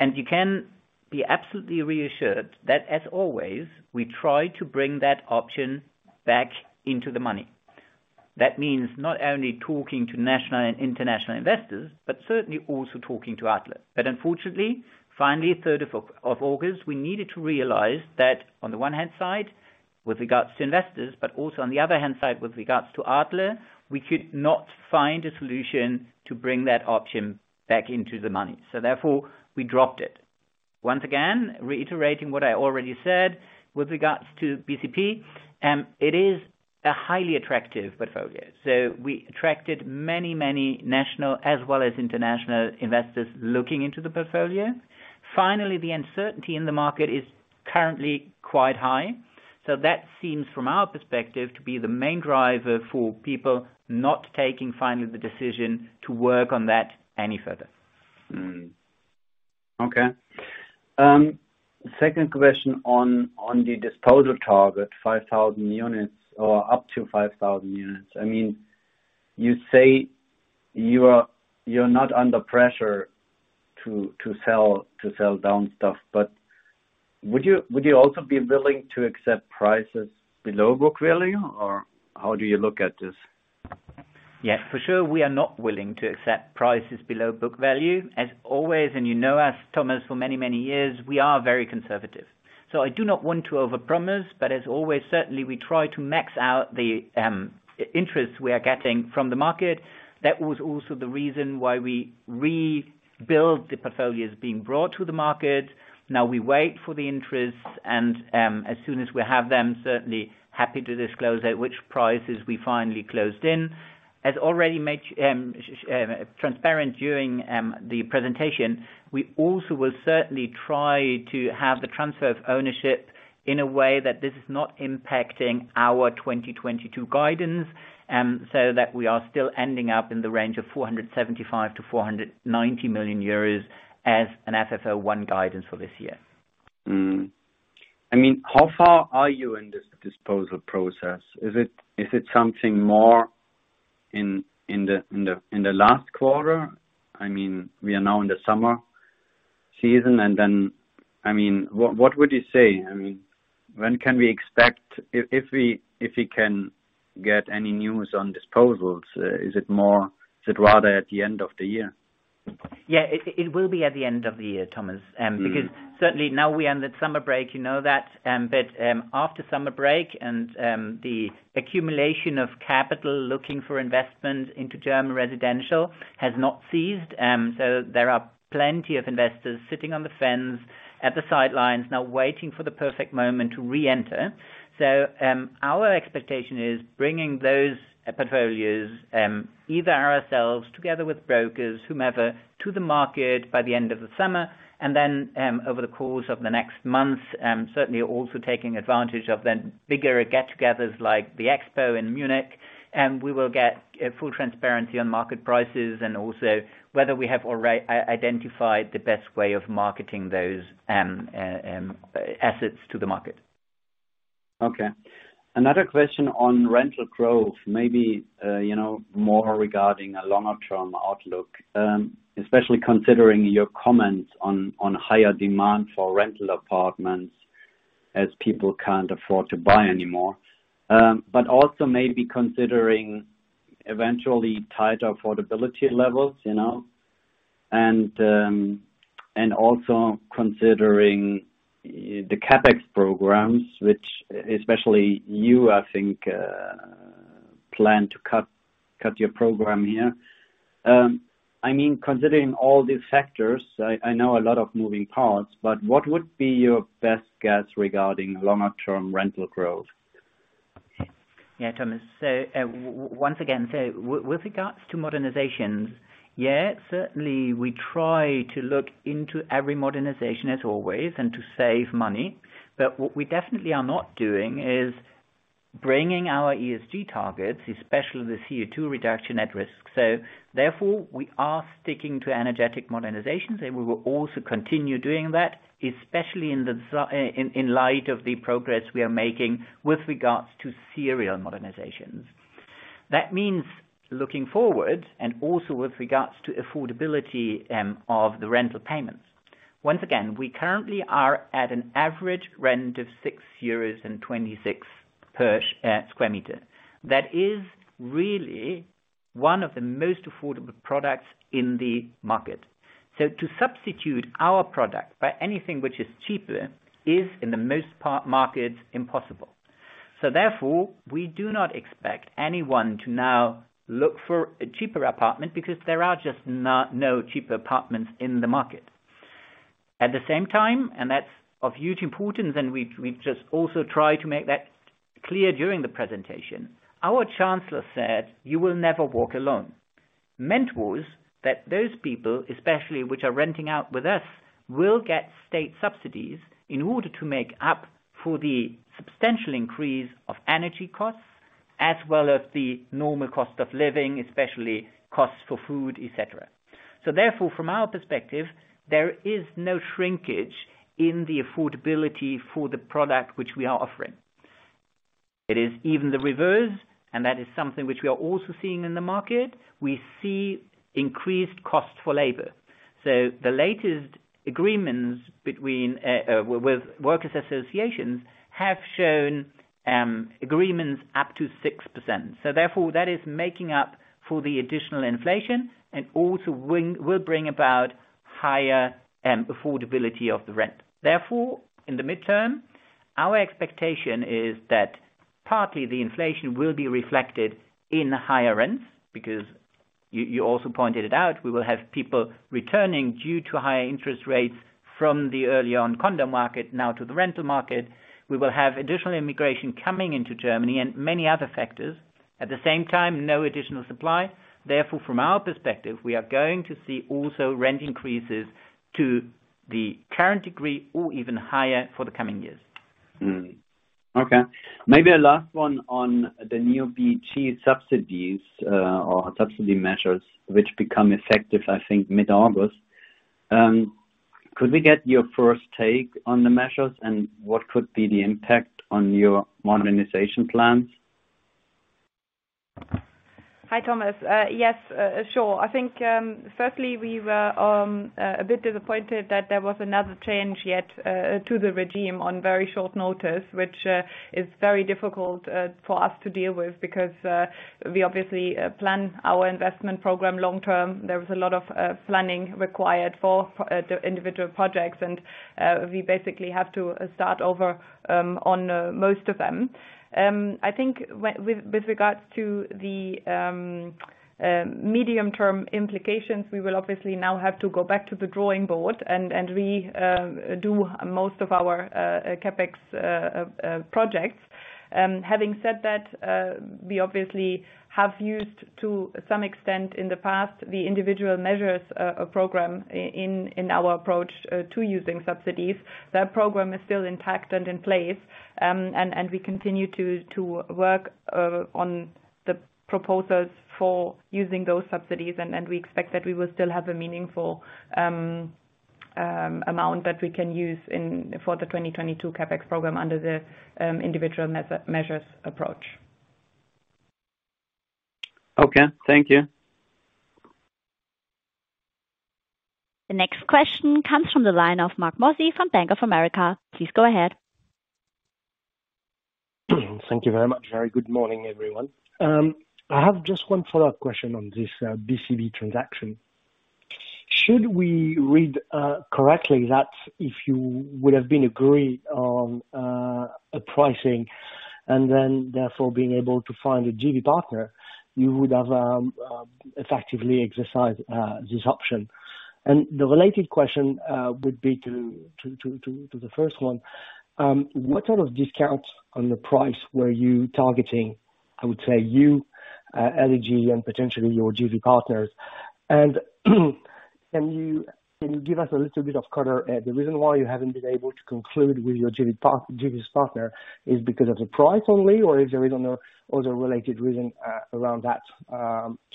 S3: You can be absolutely reassured that, as always, we try to bring that option back into the money. That means not only talking to national and international investors, but certainly also talking to Adler. Unfortunately, finally, 3rd of August, we needed to realize that on the one hand side, with regards to investors, but also on the other hand side, with regards to Adler, we could not find a solution to bring that option back into the money. Therefore, we dropped it. Once again, reiterating what I already said with regards to BCP, it is a highly attractive portfolio. We attracted many, many national as well as international investors looking into the portfolio. Finally, the uncertainty in the market is currently quite high. That seems, from our perspective, to be the main driver for people not taking the final decision to work on that any further.
S8: Second question on the disposal target, 5,000 units or up to 5,000 units. I mean, you say you're not under pressure to sell down stuff, but would you also be willing to accept prices below book value, or how do you look at this?
S3: Yes, for sure we are not willing to accept prices below book value. As always, and you know us, Thomas, for many, many years, we are very conservative. I do not want to overpromise, but as always, certainly, we try to max out the interest we are getting from the market. That was also the reason why we rebuild the portfolios being brought to the market. Now we wait for the interest and, as soon as we have them, certainly happy to disclose at which prices we finally closed in. As already made transparent during the presentation, we also will certainly try to have the transfer of ownership in a way that this is not impacting our 2022 guidance, so that we are still ending up in the range of 475 million to 490 million euros as an FFO I guidance for this year.
S8: How far are you in this disposal process? Is it something more in the last quarter? I mean, we are now in the summer season and then. I mean, what would you say? I mean, when can we expect. If we can get any news on disposals, is it more, is it rather at the end of the year?
S3: It will be at the end of the year, Thomas.Certainly now we ended summer break, you know that, but after summer break and the accumulation of capital looking for investment into German residential has not ceased. There are plenty of investors sitting on the fence at the sidelines now waiting for the perfect moment to re-enter. Our expectation is bringing those portfolios, either ourselves together with brokers, whomever, to the market by the end of the summer, and then over the course of the next months, certainly also taking advantage of the bigger get-togethers like the Expo in Munich, and we will get full transparency on market prices and also whether we have already identified the best way of marketing those assets to the market.
S8: Okay. Another question on rental growth, maybe, you know, more regarding a longer term outlook, especially considering your comments on higher demand for rental apartments as people can't afford to buy anymore. Also maybe considering eventually tighter affordability levels, you know, and also considering the CapEx programs, which especially you, I think, plan to cut your program here. I mean, considering all these factors, I know a lot of moving parts, but what would be your best guess regarding longer-term rental growth?
S3: Thomas. Once again, with regards to modernizations certainly we try to look into every modernization as always and to save money. What we definitely are not doing is bringing our ESG targets, especially the CO2 reduction at risk. Therefore, we are sticking to energetic modernizations, and we will also continue doing that, especially in light of the progress we are making with regards to serial modernizations. That means looking forward and also with regards to affordability of the rental payments. Once again, we currently are at an average rent of 6.26 euros per square meter. That is really one of the most affordable products in the market. To substitute our product by anything which is cheaper is, in most markets, impossible. Therefore, we do not expect anyone to now look for a cheaper apartment because there are just no cheaper apartments in the market. At the same time, and that's of huge importance, and we just also try to make that clear during the presentation. Our chancellor said, "You will never walk alone." Meant was, that those people, especially which are renting out with us, will get state subsidies in order to make up for the substantial increase of energy costs, as well as the normal cost of living, especially costs for food, et cetera. Therefore, from our perspective, there is no shrinkage in the affordability for the product which we are offering. It is even the reverse, and that is something which we are also seeing in the market. We see increased cost for labor. The latest agreements with workers associations have shown agreements up to 6%. Therefore, that is making up for the additional inflation and also will bring about higher affordability of the rent. Therefore, in the midterm, our expectation is that partly the inflation will be reflected in higher rents because you also pointed it out, we will have people returning due to higher interest rates from the early on condo market now to the rental market. We will have additional immigration coming into Germany and many other factors. At the same time, no additional supply. Therefore, from our perspective, we are going to see also rent increases to the current degree or even higher for the coming years.
S8: Okay. Maybe a last one on the new BEG subsidies, or subsidy measures which become effective, mid-August. Could we get your first take on the measures and what could be the impact on your modernization plans?
S5: Hi, Thomas. Yes, sure. I think, firstly, we were a bit disappointed that there was another change yet to the regime on very short notice, which is very difficult for us to deal with because we obviously plan our investment program long term. There was a lot of planning required for the individual projects, and we basically have to start over on most of them. I think with regards to the medium-term implications, we will obviously now have to go back to the drawing board and redo most of our CapEx projects. Having said that, we obviously have used to some extent in the past the individual measures program in our approach to using subsidies. That program is still intact and in place, and we continue to work on the proposals for using those subsidies. We expect that we will still have a meaningful amount that we can use in for the 2022 CapEx program under the individual measures approach.
S8: Okay. Thank you.
S1: The next question comes from the line of Marc Mozzi from Bank of America. Please go ahead.
S9: Thank you very much. Very good morning, everyone. I have just one follow-up question on this BCP transaction. Should we read correctly that if you would have been agreed on a pricing and then therefore being able to find a JV partner, you would have effectively exercised this option? The related question would be to the first one, what sort of discounts on the price were you targeting? I would say you, LEG and potentially your JV partners. Can you give us a little bit of color, the reason why you haven't been able to conclude with your JV partner is because of the price only or is there another related reason around that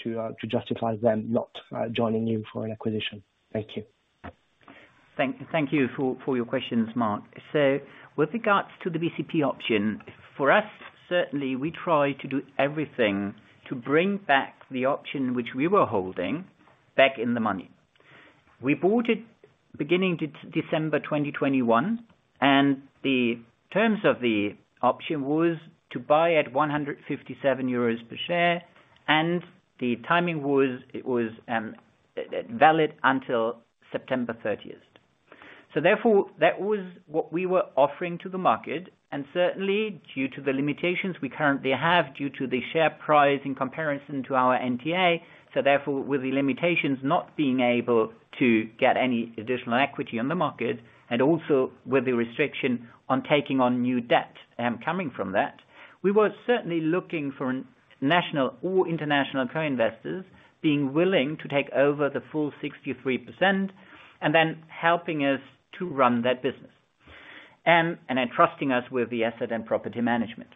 S9: to justify them not joining you for an acquisition? Thank you.
S3: Thank you for your questions, Marc. With regards to the BCP option, for us, certainly we try to do everything to bring back the option which we were holding back in the money. We bought it beginning December 2021, and the terms of the option was to buy at 157 euros per share, and the timing was valid until September 30. that was what we were offering to the market, and certainly due to the limitations we currently have, due to the share price in comparison to our NTA, so therefore, with the limitations not being able to get any additional equity on the market and also with the restriction on taking on new debt, coming from that, we were certainly looking for national or international co-investors being willing to take over the full 63% and then helping us to run that business and entrusting us with the asset and property management.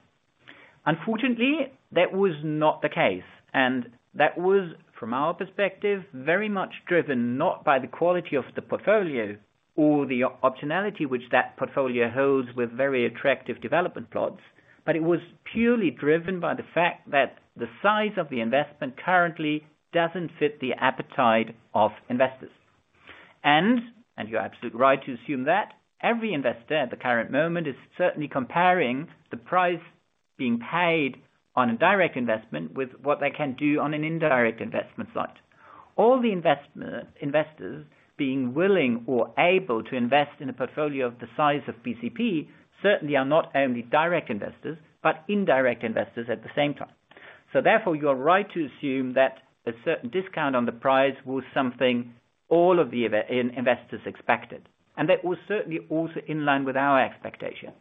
S3: Unfortunately, that was not the case, and that was, from our perspective, very much driven, not by the quality of the portfolio or the optionality which that portfolio holds with very attractive development plots, but it was purely driven by the fact that the size of the investment currently doesn't fit the appetite of investors. You're absolutely right to assume that every investor at the current moment is certainly comparing the price being paid on a direct investment with what they can do on an indirect investment site. All the investors being willing or able to invest in a portfolio of the size of BCP certainly are not only direct investors, but indirect investors at the same time. Therefore, you are right to assume that a certain discount on the price was something all of the investors expected, and that was certainly also in line with our expectation.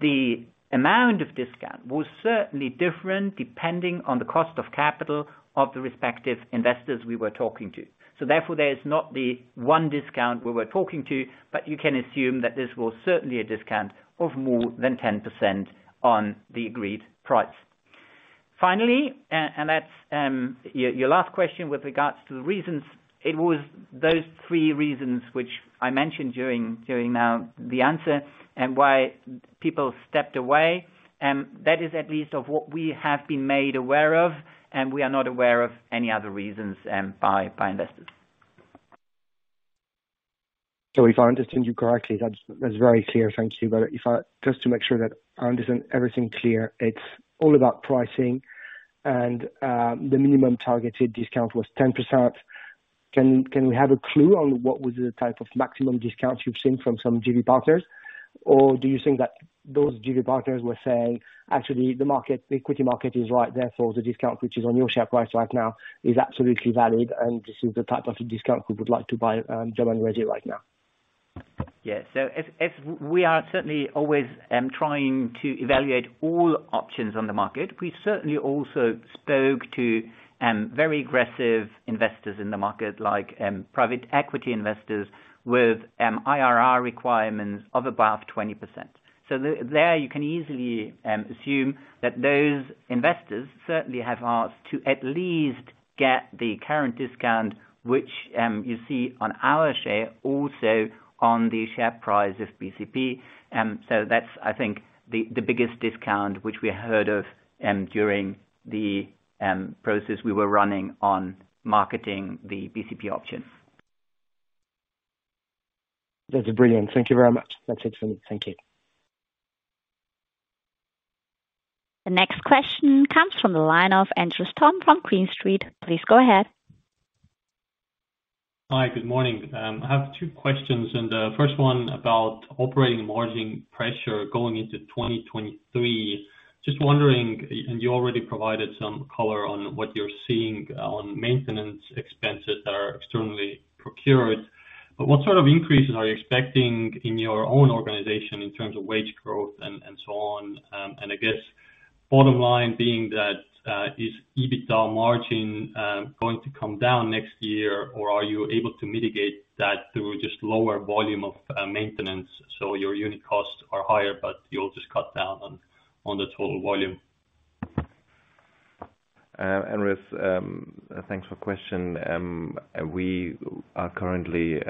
S3: The amount of discount was certainly different depending on the cost of capital of the respective investors we were talking to. Therefore, there is not the one discount we were talking to, but you can assume that this was certainly a discount of more than 10% on the agreed price. Finally, and that's your last question with regards to the reasons, it was those three reasons which I mentioned during the answer and why people stepped away. That is at least of what we have been made aware of, and we are not aware of any other reasons by investors.
S9: If I understand you correctly, that's very clear. Thank you. If I just to make sure that I understand everything clear, it's all about pricing and the minimum targeted discount was 10%. Can we have a clue on what was the type of maximum discounts you've seen from some JV partners? Or do you think that those JV partners were saying, "Actually, the market, the equity market is right there, so the discount which is on your share price right now is absolutely valid, and this is the type of discount we would like to buy German Resi right now.
S3: If we are certainly always trying to evaluate all options on the market, we certainly also spoke to very aggressive investors in the market like private equity investors with IRR requirements of above 20%. There, you can easily assume that those investors certainly have asked to at least get the current discount, which you see on our share also on the share price of BCP. That's, I think, the biggest discount which we heard of during the process we were running on marketing the BCP option.
S9: That's brilliant. Thank you very much. That's it from me. Thank you.
S1: The next question comes from the line of Andres Toome from Green Street. Please go ahead.
S10: Hi, good morning. I have two questions. First one about operating margin pressure going into 2023. Just wondering, and you already provided some color on what you're seeing on maintenance expenses that are externally procured, but what sort of increases are you expecting in your own organization in terms of wage growth and so on? I guess bottom line being that is EBITDA margin going to come down next year, or are you able to mitigate that through just lower volume of maintenance, so your unit costs are higher, but you'll just cut down on the total volume?
S4: Andres, thanks for question. We are currently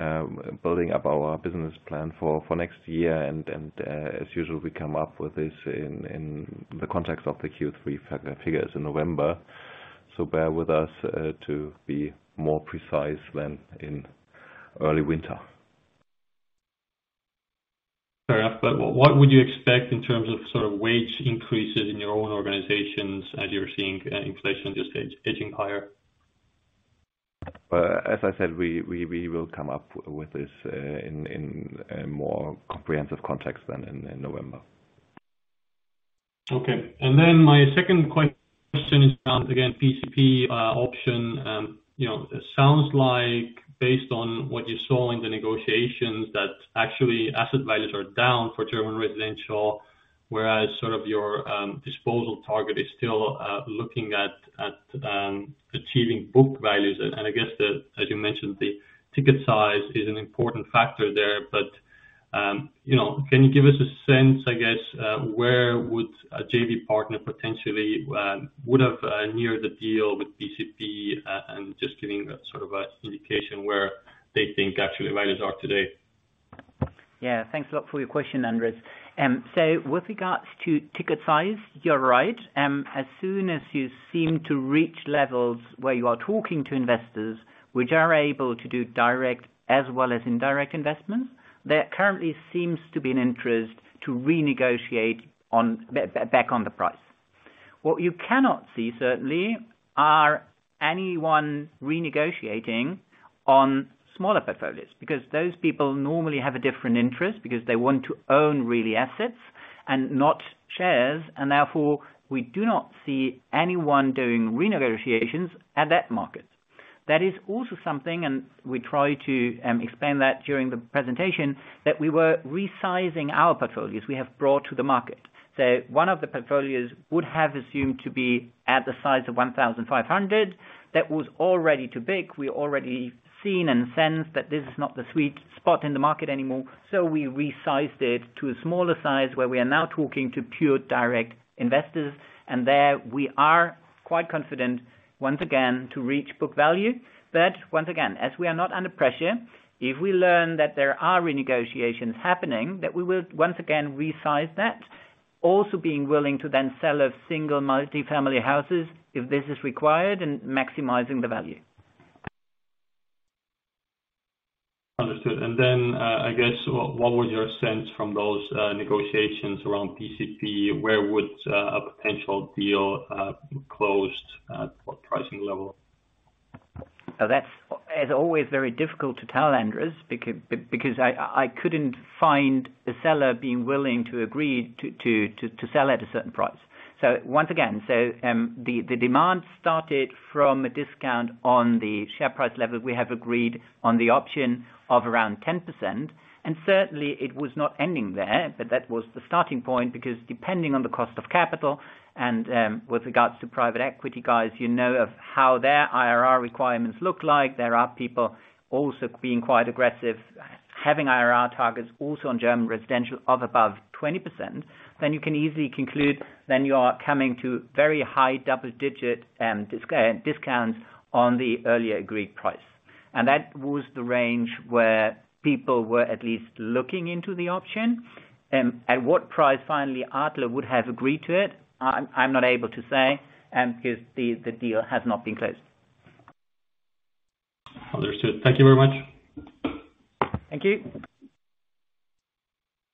S4: building up our business plan for next year, and as usual, we come up with this in the context of the Q3 figures in November. Bear with us to be more precise than in early winter.
S10: Fair enough. What would you expect in terms of sort of wage increases in your own organizations as you're seeing inflation just edging higher?
S4: As I said, we will come up with this in a more comprehensive context than in November.
S10: Okay. My second question is, once again, BCP option. You know, it sounds like based on what you saw in the negotiations, that actually asset values are down for German Residential, whereas sort of your disposal target is still looking at achieving book values. I guess as you mentioned, the ticket size is an important factor there. You know, can you give us a sense, I guess, where a JV partner potentially would have neared the deal with BCP, and just giving a sort of indication where they think actually values are today?
S3: Thanks a lot for your question, Andres. With regards to ticket size, you're right. As soon as you seem to reach levels where you are talking to investors which are able to do direct as well as indirect investments, there currently seems to be an interest to renegotiate back on the price. What you cannot see certainly are anyone renegotiating on smaller portfolios, because those people normally have a different interest because they want to own real assets and not shares. Therefore, we do not see anyone doing renegotiations at that market. That is also something, and we try to explain that during the presentation, that we were resizing our portfolios we have brought to the market. One of the portfolios would have assumed to be at the size of 1,500. That was already too big. We already seen and sensed that this is not the sweet spot in the market anymore. We resized it to a smaller size where we are now talking to pure direct investors, and there we are quite confident once again to reach book value. Once again, as we are not under pressure, if we learn that there are renegotiations happening, that we will once again resize that, also being willing to then sell off single multi-family houses if this is required, and maximizing the value.
S10: Understood. What was your sense from those, negotiations around BCP? Where would, a potential deal, closed at what pricing level?
S3: That's, as always, very difficult to tell, Andres, because I couldn't find a seller being willing to agree to sell at a certain price. Once again, the demand started from a discount on the share price level we have agreed on the option of around 10%. Certainly, it was not ending there, but that was the starting point because depending on the cost of capital and, with regards to private equity guys, you know of how their IRR requirements look like. There are people also being quite aggressive, having IRR targets also on German Residential of above 20%. You can easily conclude then you are coming to very high double-digit discounts on the earlier agreed price. That was the range where people were at least looking into the option. At what price finally Adler would have agreed to it, I'm not able to say, because the deal has not been closed.
S10: Understood. Thank you very much.
S3: Thank you.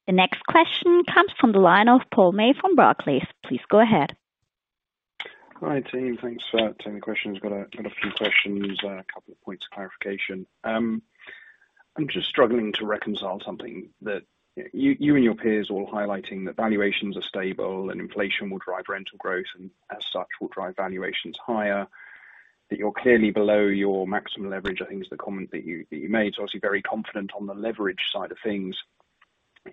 S1: The next question comes from the line of Paul May from Barclays. Please go ahead.
S11: Hi, team. Thanks for taking the questions. Got a few questions, a couple of points of clarification. I'm just struggling to reconcile something that you and your peers all highlighting that valuations are stable and inflation will drive rental growth and as such will drive valuations higher, that you're clearly below your maximum leverage, I think is the comment that you made. Obviously very confident on the leverage side of things,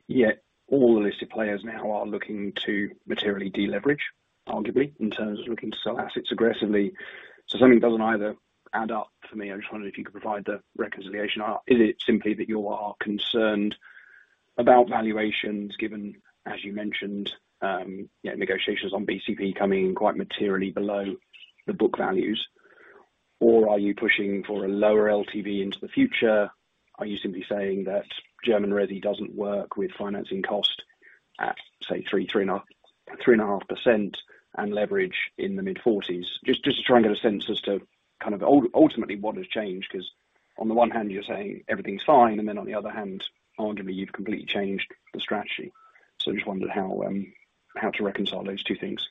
S11: yet all the listed players now are looking to materially deleverage, arguably, in terms of looking to sell assets aggressively. Something doesn't either add up for me. I just wondered if you could provide the reconciliation or is it simply that you are concerned about valuations given, as you mentioned, you know, negotiations on BCP coming in quite materially below the book values? Are you pushing for a lower LTV into the future? Are you simply saying that German RE doesn't work with financing cost at, say, 3.5% and leverage in the mid-40s? Just trying to get a sense as to kind of ultimately what has changed, 'cause on the one hand you're saying everything's fine, and then on the other hand, arguably you've completely changed the strategy. Just wondered how to reconcile those two things.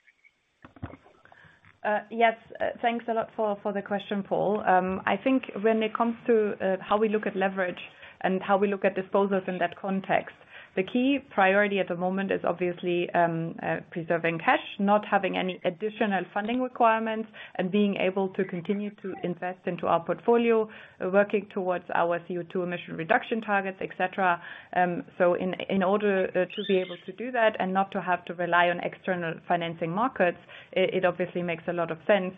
S5: Yes. Thanks a lot for the question, Paul. I think when it comes to how we look at leverage and how we look at disposals in that context, the key priority at the moment is obviously preserving cash, not having any additional funding requirements and being able to continue to invest into our portfolio, working towards our CO2 emission reduction targets, et cetera. In order to be able to do that and not to have to rely on external financing markets, it obviously makes a lot of sense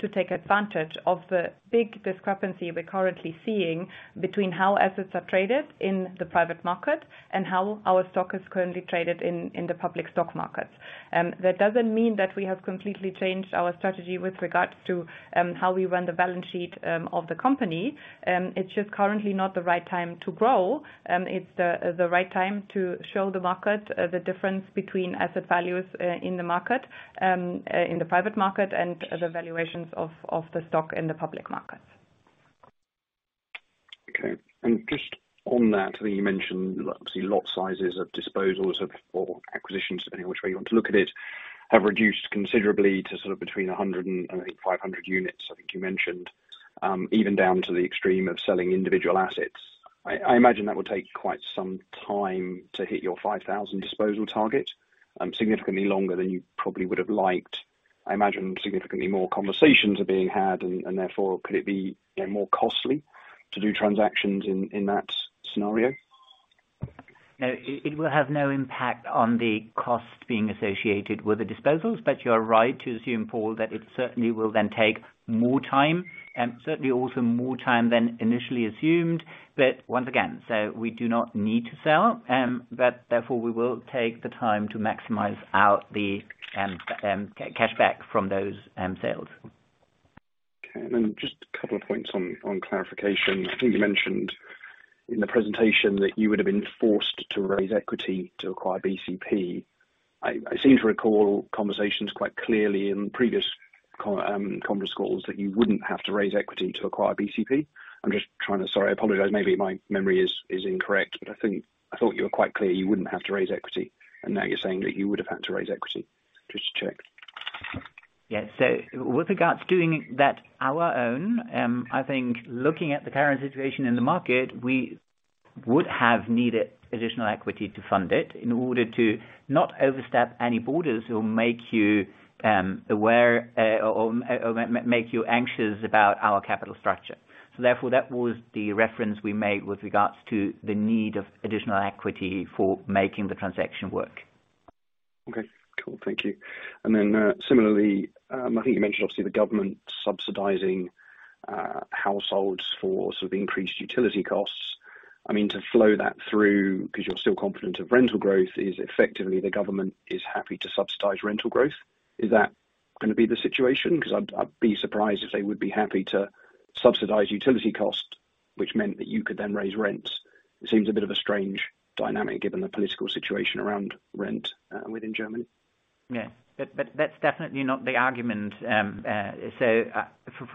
S5: to take advantage of the big discrepancy we're currently seeing between how assets are traded in the private market and how our stock is currently traded in the public stock markets. That doesn't mean that we have completely changed our strategy with regards to how we run the balance sheet of the company. It's just currently not the right time to grow. It's the right time to show the market the difference between asset values in the private market and the valuations of the stock in the public market.
S11: Okay. Just on that, I think you mentioned obviously lot sizes of disposals or acquisitions, depending which way you want to look at it, have reduced considerably to sort of between 100 and I think 500 units, I think you mentioned. Even down to the extreme of selling individual assets. I imagine that will take quite some time to hit your 5,000 disposal target, significantly longer than you probably would've liked. I imagine significantly more conversations are being had and therefore could it be, you know, more costly to do transactions in that scenario?
S3: No, it will have no impact on the cost being associated with the disposals, but you're right to assume, Paul, that it certainly will then take more time and certainly also more time than initially assumed. Once again, we do not need to sell, but therefore we will take the time to maximize the cash back from those sales.
S11: Okay. Then just a couple of points on clarification. I think you mentioned in the presentation that you would've been forced to raise equity to acquire BCP. I seem to recall conversations quite clearly in previous conference calls that you wouldn't have to raise equity to acquire BCP. Sorry, I apologize. Maybe my memory is incorrect, but I thought you were quite clear you wouldn't have to raise equity, and now you're saying that you would've had to raise equity. Just to check.
S3: With regards to doing that on our own, I think looking at the current situation in the market, we would have needed additional equity to fund it in order to not overstep any borders or make you aware or make you anxious about our capital structure. Therefore, that was the reference we made with regards to the need of additional equity for making the transaction work.
S11: Okay. Cool. Thank you. Similarly, I think you mentioned obviously the government subsidizing households for sort of increased utility costs. I mean, to flow that through, 'cause you're still confident of rental growth, is effectively the government is happy to subsidize rental growth. Is that gonna be the situation? 'Cause I'd be surprised if they would be happy to subsidize utility costs, which meant that you could then raise rents. It seems a bit of a strange dynamic given the political situation around rent within Germany.
S3: That's definitely not the argument. From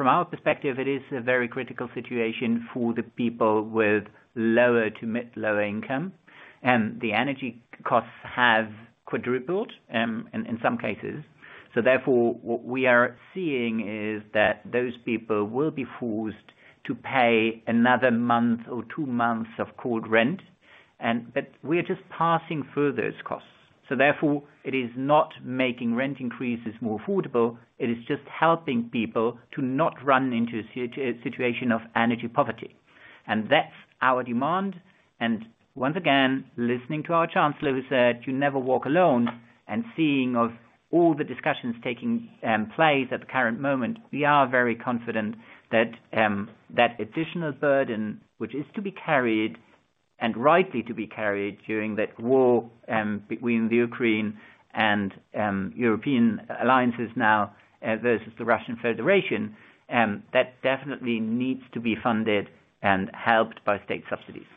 S3: our perspective, it is a very critical situation for the people with lower to mid-low income, and the energy costs have quadrupled, in some cases. Therefore, what we are seeing is that those people will be forced to pay another month or two months of cold rent and, but we are just passing further those costs. Therefore, it is not making rent increases more affordable, it is just helping people to not run into a situation of energy poverty. That's our demand. Once again, listening to our chancellor who said, "You never walk alone," and seeing all of the discussions taking place at the current moment, we are very confident that that additional burden, which is to be carried, and rightly to be carried during that war between the Ukraine and European alliances now versus the Russian Federation, that definitely needs to be funded and helped by state subsidies.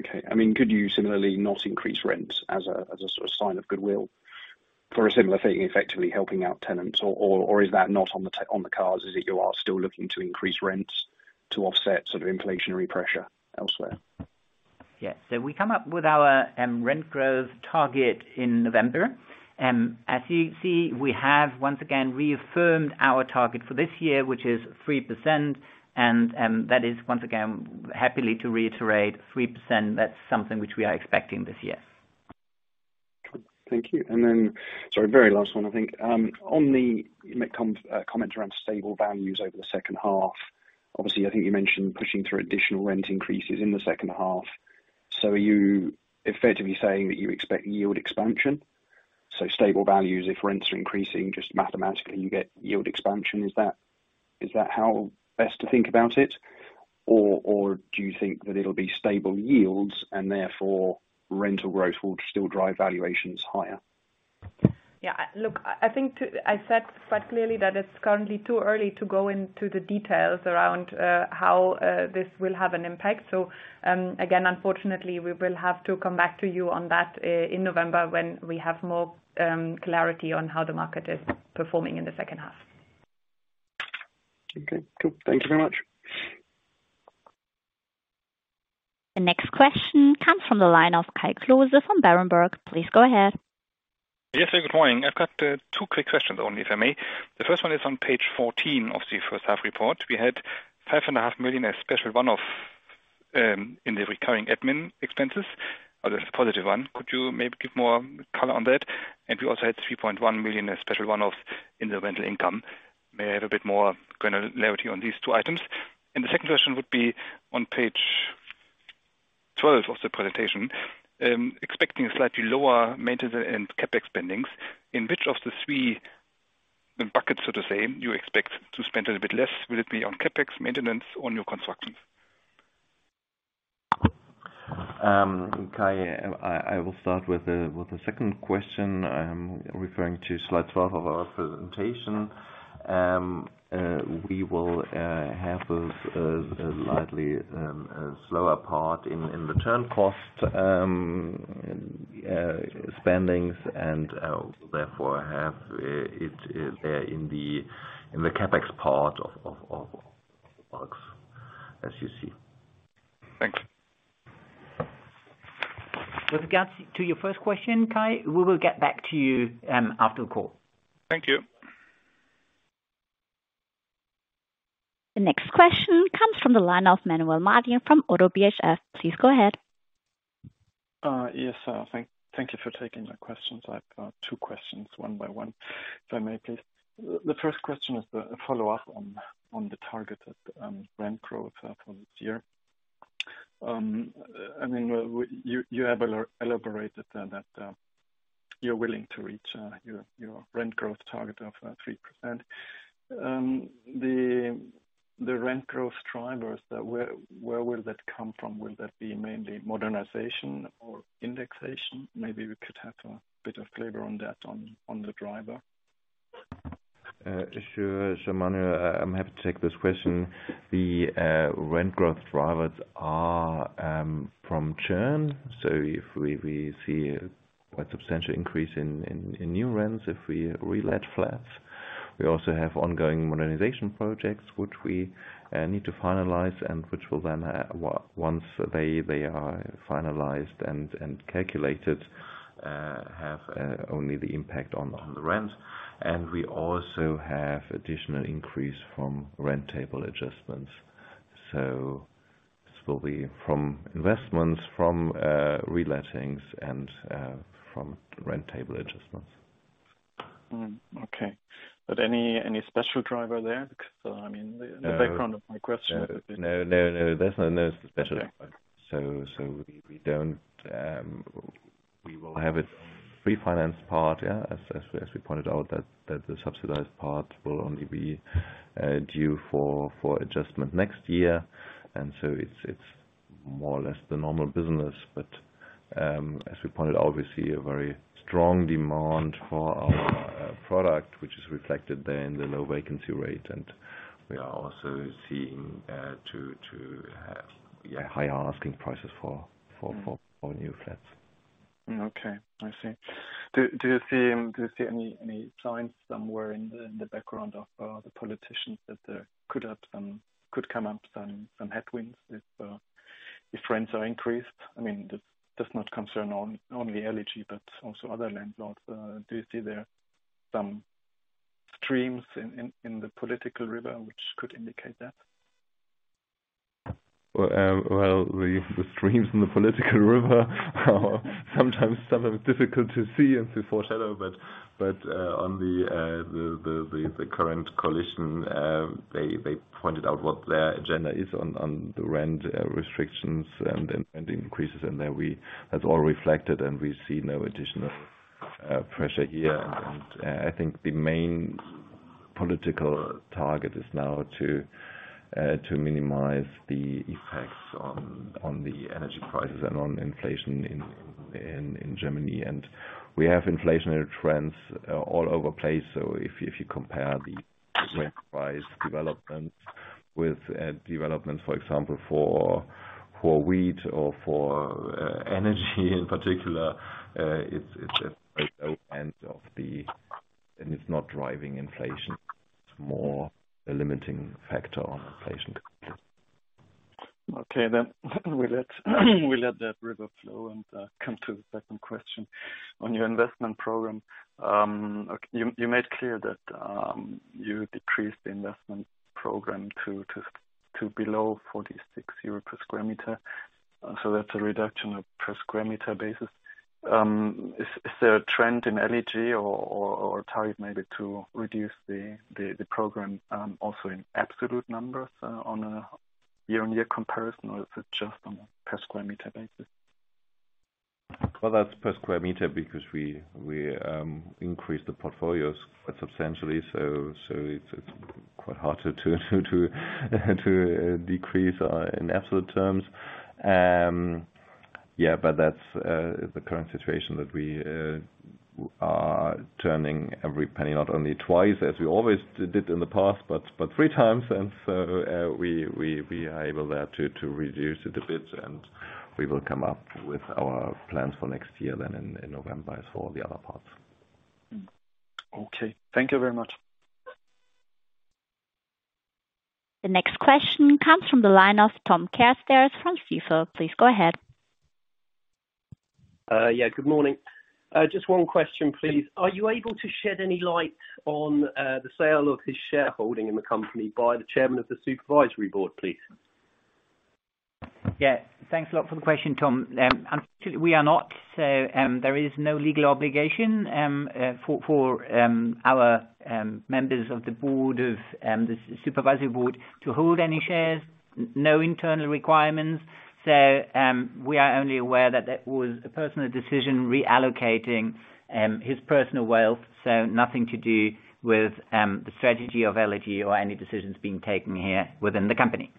S11: Okay. I mean, could you similarly not increase rents as a sort of sign of goodwill for a similar thing, effectively helping out tenants? Is that not on the cards, is it you are still looking to increase rents to offset sort of inflationary pressure elsewhere?
S3: We come up with our rent growth target in November. As you see, we have once again reaffirmed our target for this year, which is 3% and that is once again happy to reiterate 3%. That's something which we are expecting this year.
S11: Thank you. Sorry, very last one, I think. On the comment around stable values over the second half, obviously, I think you mentioned pushing through additional rent increases in the second half. Are you effectively saying that you expect yield expansion? Stable values, if rents are increasing, just mathematically, you get yield expansion. Is that how best to think about it? Or do you think that it'll be stable yields and therefore rental growth will still drive valuations higher?
S5: Look, I think I said quite clearly that it's currently too early to go into the details around how this will have an impact. Again, unfortunately, we will have to come back to you on that, in November when we have more clarity on how the market is performing in the second half.
S11: Okay, cool. Thank you very much.
S1: The next question comes from the line of Kai Klose from Berenberg. Please go ahead.
S12: Yes, good morning. I've got two quick questions only, if I may. The first one is on page 14 of the first half report. We had 5.5 million, a special one-off, in the recurring admin expenses. Although it's a positive one. Could you maybe give more color on that? We also had 3.1 million, a special one-off in the rental income. May I have a bit more granularity on these two items? The second question would be on page 12 of the presentation, expecting a slightly lower maintenance and CapEx spending. In which of the three buckets do you expect to spend a little bit less? Will it be on CapEx, maintenance or new construction?
S4: Kai, I will start with the second question. I'm referring to slide 12 of our presentation. We will have a slightly slower part in the turn cost spending and therefore have it in the CapEx part of box, as you see.
S12: Thank you.
S3: With regards to your first question, Kai, we will get back to you after the call.
S12: Thank you.
S1: The next question comes from the line of Manuel Martin from ODDO BHF. Please go ahead.
S13: Yes. Thank you for taking my questions. I've two questions, one by one, if I may, please. The first question is the follow-up on the targeted rent growth for this year. I mean, you have elaborated that you're willing to reach your rent growth target of 3%. The rent growth drivers, where will that come from? Will that be mainly modernization or indexation? Maybe we could have a bit of flavor on that, on the driver.
S4: Sure. Manuel, I'm happy to take this question. The rent growth drivers are from churn. If we see a substantial increase in new rents if we relet flats. We also have ongoing modernization projects which we need to finalize and which will then once they are finalized and calculated have only the impact on the rent. We also have additional increase from rent table adjustments. This will be from investments, from relettings and from rent table adjustments.
S13: Okay. Any special driver there? I mean, the background of my question.
S4: No. There's no special driver. We don't. We will have it pre-financed in part as we pointed out, that the subsidized part will only be due for adjustment next year. It's more or less the normal business. As we pointed, obviously a very strong demand for our product, which is reflected there in the low vacancy rate. We are also seeing, too, higher asking prices for new flats.
S13: Okay. I see. Do you see any signs somewhere in the background of the politicians that could come up some headwinds if rents are increased? I mean, that does not concern only LEG, but also other landlords. Do you see there some streams in the political river which could indicate that?
S4: The streams in the political river are sometimes difficult to see and to foreshadow. On the current coalition, they pointed out what their agenda is on the rent restrictions and rent increases. That's all reflected, and we see no additional pressure here. I think the main political target is now to minimize the effects on the energy prices and on inflation in Germany. We have inflationary trends all over the place. If you compare the price development with developments, for example, for wheat or for energy in particular, it's just at the ends of the. It's not driving inflation, it's more a limiting factor on inflation.
S13: Okay. We let that river flow and come to the second question. On your investment program, you made clear that you decreased the investment program to below 46 euro per square meter. That's a reduction on a per square meter basis. Is there a trend in LEG or target maybe to reduce the program also in absolute numbers on a year-on-year comparison, or is it just on a per square meter basis?
S4: Well, that's per square meter because we increased the portfolios quite substantially. It's quite hard to decrease in absolute terms. That's the current situation that we are turning every penny not only twice as we always did in the past, but 3x. We are able there to reduce it a bit and we will come up with our plans for next year then in November for the other parts.
S13: Okay. Thank you very much.
S1: The next question comes from the line of Tom Carstairs from Stifel. Please go ahead.
S14: Good morning. Just one question, please. Are you able to shed any light on the sale of his shareholding in the company by the Chairman of the Supervisory Board, please?
S3: Thanks a lot for the question, Tom. Unfortunately, we are not. There is no legal obligation for our Members of the Board of the Supervisory Board to hold any shares. No internal requirements. We are only aware that that was a personal decision reallocating his personal wealth, so nothing to do with the strategy of LEG or any decisions being taken here within the company.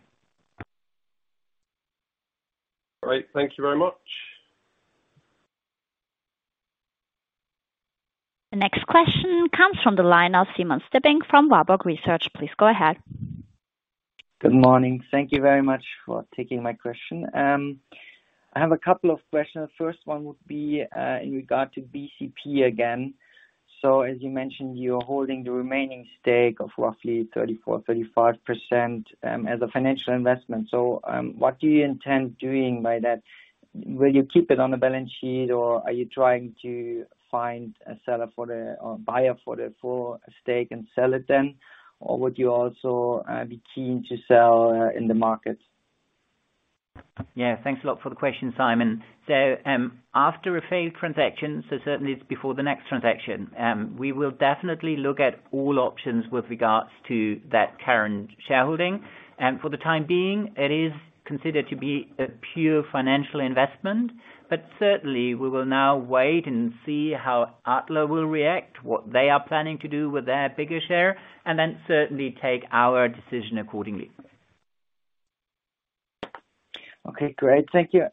S14: All right. Thank you very much.
S1: The next question comes from the line of Simon Stippig from Warburg Research. Please go ahead.
S15: Good morning. Thank you very much for taking my question. I have a couple of questions. First one would be in regard to BCP again. As you mentioned, you are holding the remaining stake of roughly 34%-35% as a financial investment. What do you intend doing by that? Will you keep it on the balance sheet, or are you trying to find a buyer for the full stake and sell it then? Or would you also be keen to sell in the market?
S3: Thanks a lot for the question, Simon. After a failed transaction, so certainly it's before the next transaction, we will definitely look at all options with regards to that current shareholding. For the time being, it is considered to be a pure financial investment, but certainly we will now wait and see how Adler will react, what they are planning to do with their bigger share, and then certainly take our decision accordingly.
S15: Okay, great. Thank you.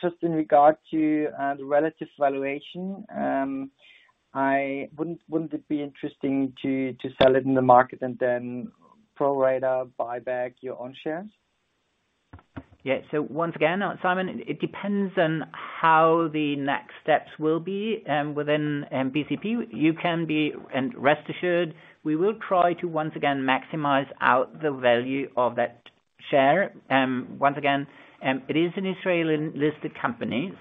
S15: Just in regard to the relative valuation, wouldn't it be interesting to sell it in the market and then pro rata buyback your own shares?
S3: Once again, Simon, it depends on how the next steps will be within BCP. You can be rest assured, we will try to once again maximize out the value of that share. Once again, it is an Israeli listed company,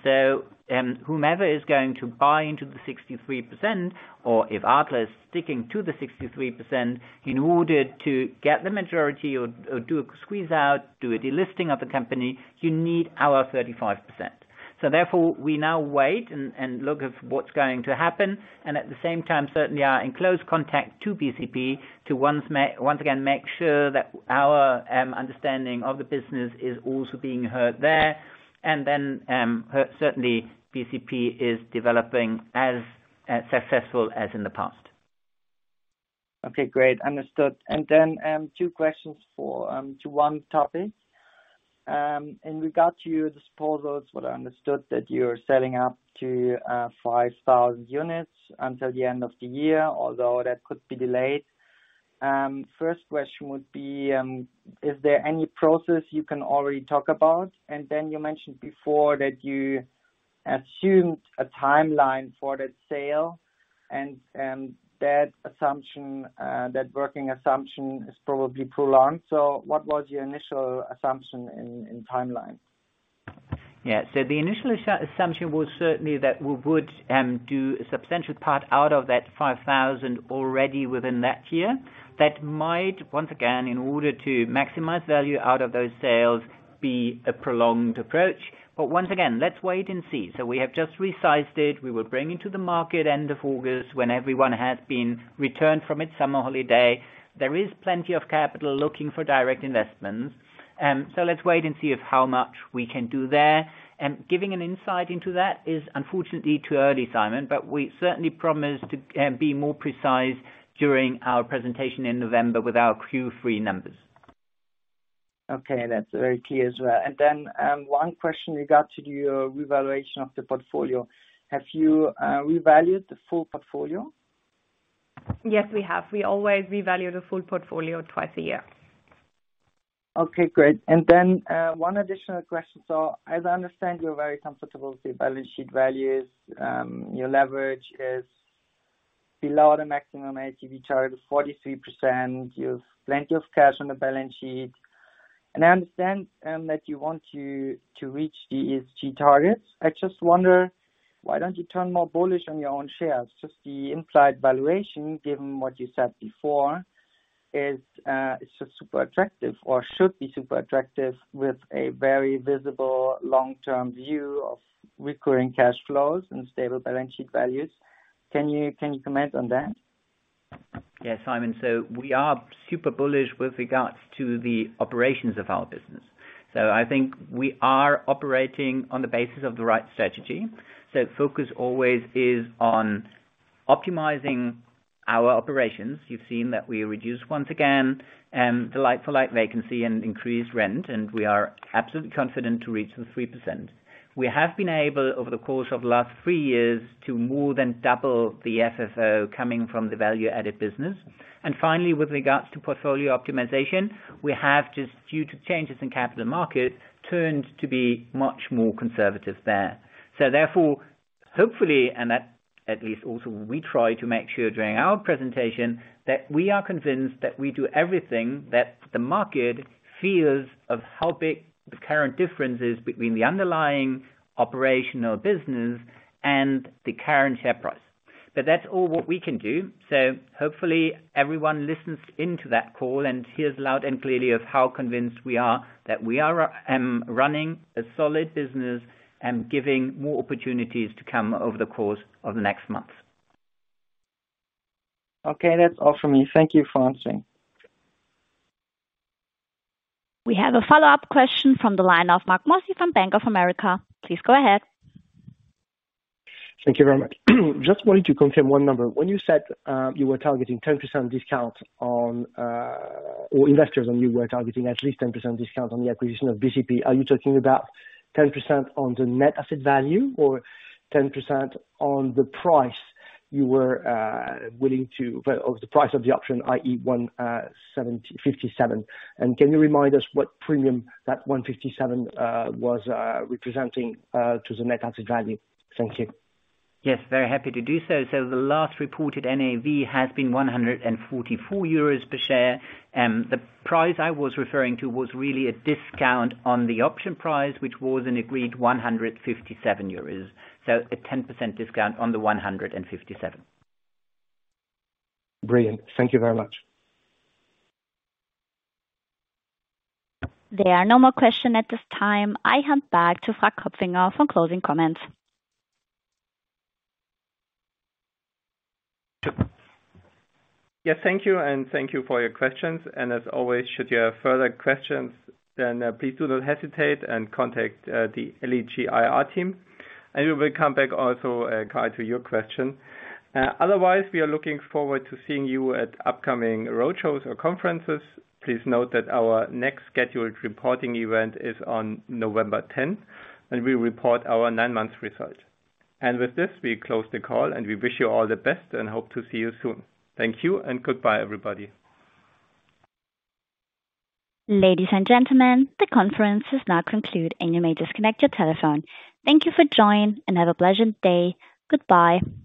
S3: whomever is going to buy into the 63% or if Adler is sticking to the 63% in order to get the majority or do a squeeze out, do a delisting of the company, you need our 35%. Therefore, we now wait and look at what's going to happen, and at the same time, certainly are in close contact with BCP to once again make sure that our understanding of the business is also being heard there. Then, hope certainly BCP is developing as successfully as in the past.
S15: Okay, great. Understood. Two questions for to one topic. In regard to your disposals, what I understood that you're selling up to 5,000 units until the end of the year, although that could be delayed. First question would be, is there any process you can already talk about? You mentioned before that you assumed a timeline for that sale and that assumption, that working assumption is probably prolonged. What was your initial assumption in timeline?
S3: The initial assumption was certainly that we would do a substantial part out of that 5,000 already within that year. That might, once again, in order to maximize value out of those sales, be a prolonged approach. Once again, let's wait and see. We have just resized it. We will bring it to the market end of August when everyone has been returned from its summer holiday. There is plenty of capital looking for direct investments. Let's wait and see how much we can do there. Giving an insight into that is unfortunately too early, Simon, but we certainly promise to be more precise during our presentation in November with our Q3 numbers.
S15: Okay, that's very clear as well. One question regards to your revaluation of the portfolio. Have you revalued the full portfolio?
S5: Yes, we have. We always revalue the full portfolio twice a year.
S15: Okay, great. One additional question. As I understand, you're very comfortable with the balance sheet values. Your leverage is below the maximum LTV target of 43%. You have plenty of cash on the balance sheet, and I understand that you want to reach these ESG targets. I just wonder, why don't you turn more bullish on your own shares? Just the implied valuation, given what you said before, is just super attractive or should be super attractive with a very visible long-term view of recurring cash flows and stable balance sheet values. Can you comment on that?
S3: Simon, we are super bullish with regards to the operations of our business. I think we are operating on the basis of the right strategy. Focus always is on optimizing our operations. You've seen that we reduced once again the like-for-like vacancy and increased rent, and we are absolutely confident to reach the 3%. We have been able, over the course of last 3 years, to more than double the FFO coming from the value-added business. Finally, with regards to portfolio optimization, we have just, due to changes in capital markets, turned to be much more conservative there. Therefore, hopefully, and that at least also we try to make sure during our presentation, that we are convinced that we do everything that the market fears of how big the current difference is between the underlying operational business and the current share price. That's all we can do, so hopefully everyone listens in to that call and hears loud and clear how convinced we are that we are running a solid business and giving more opportunities to come over the course of next month.
S15: Okay. That's all for me. Thank you for answering.
S1: We have a follow-up question from the line of Marc Mozzi from Bank of America. Please go ahead.
S9: Thank you very much. Just wanted to confirm one number. When you said, you were targeting 10% discount on NAV for investors and you were targeting at least 10% discount on the acquisition of BCP, are you talking about 10% on the net asset value, or 10% on the price of the option, i.e. 157? Can you remind us what premium that 157 was representing to the net asset value? Thank you.
S3: Yes, very happy to do so. The last reported NAV has been 144 euros per share. The price I was referring to was really a discount on the option price, which was an agreed 157 euros, so a 10% discount on the 157.
S9: Brilliant. Thank you very much.
S1: There are no more questions at this time. I hand back to Frank Kopfinger for closing comments.
S2: Thank you, and thank you for your questions. As always, should you have further questions, then, please do not hesitate and contact the LEG IR team, and we will come back also, Kai, to your question. Otherwise, we are looking forward to seeing you at upcoming roadshows or conferences. Please note that our next scheduled reporting event is on November 10th, and we report our nine-month result. With this, we close the call, and we wish you all the best and hope to see you soon. Thank you and goodbye, everybody.
S1: Ladies and gentlemen, the conference is now concluded, and you may disconnect your telephone. Thank you for joining and have a pleasant day. Goodbye.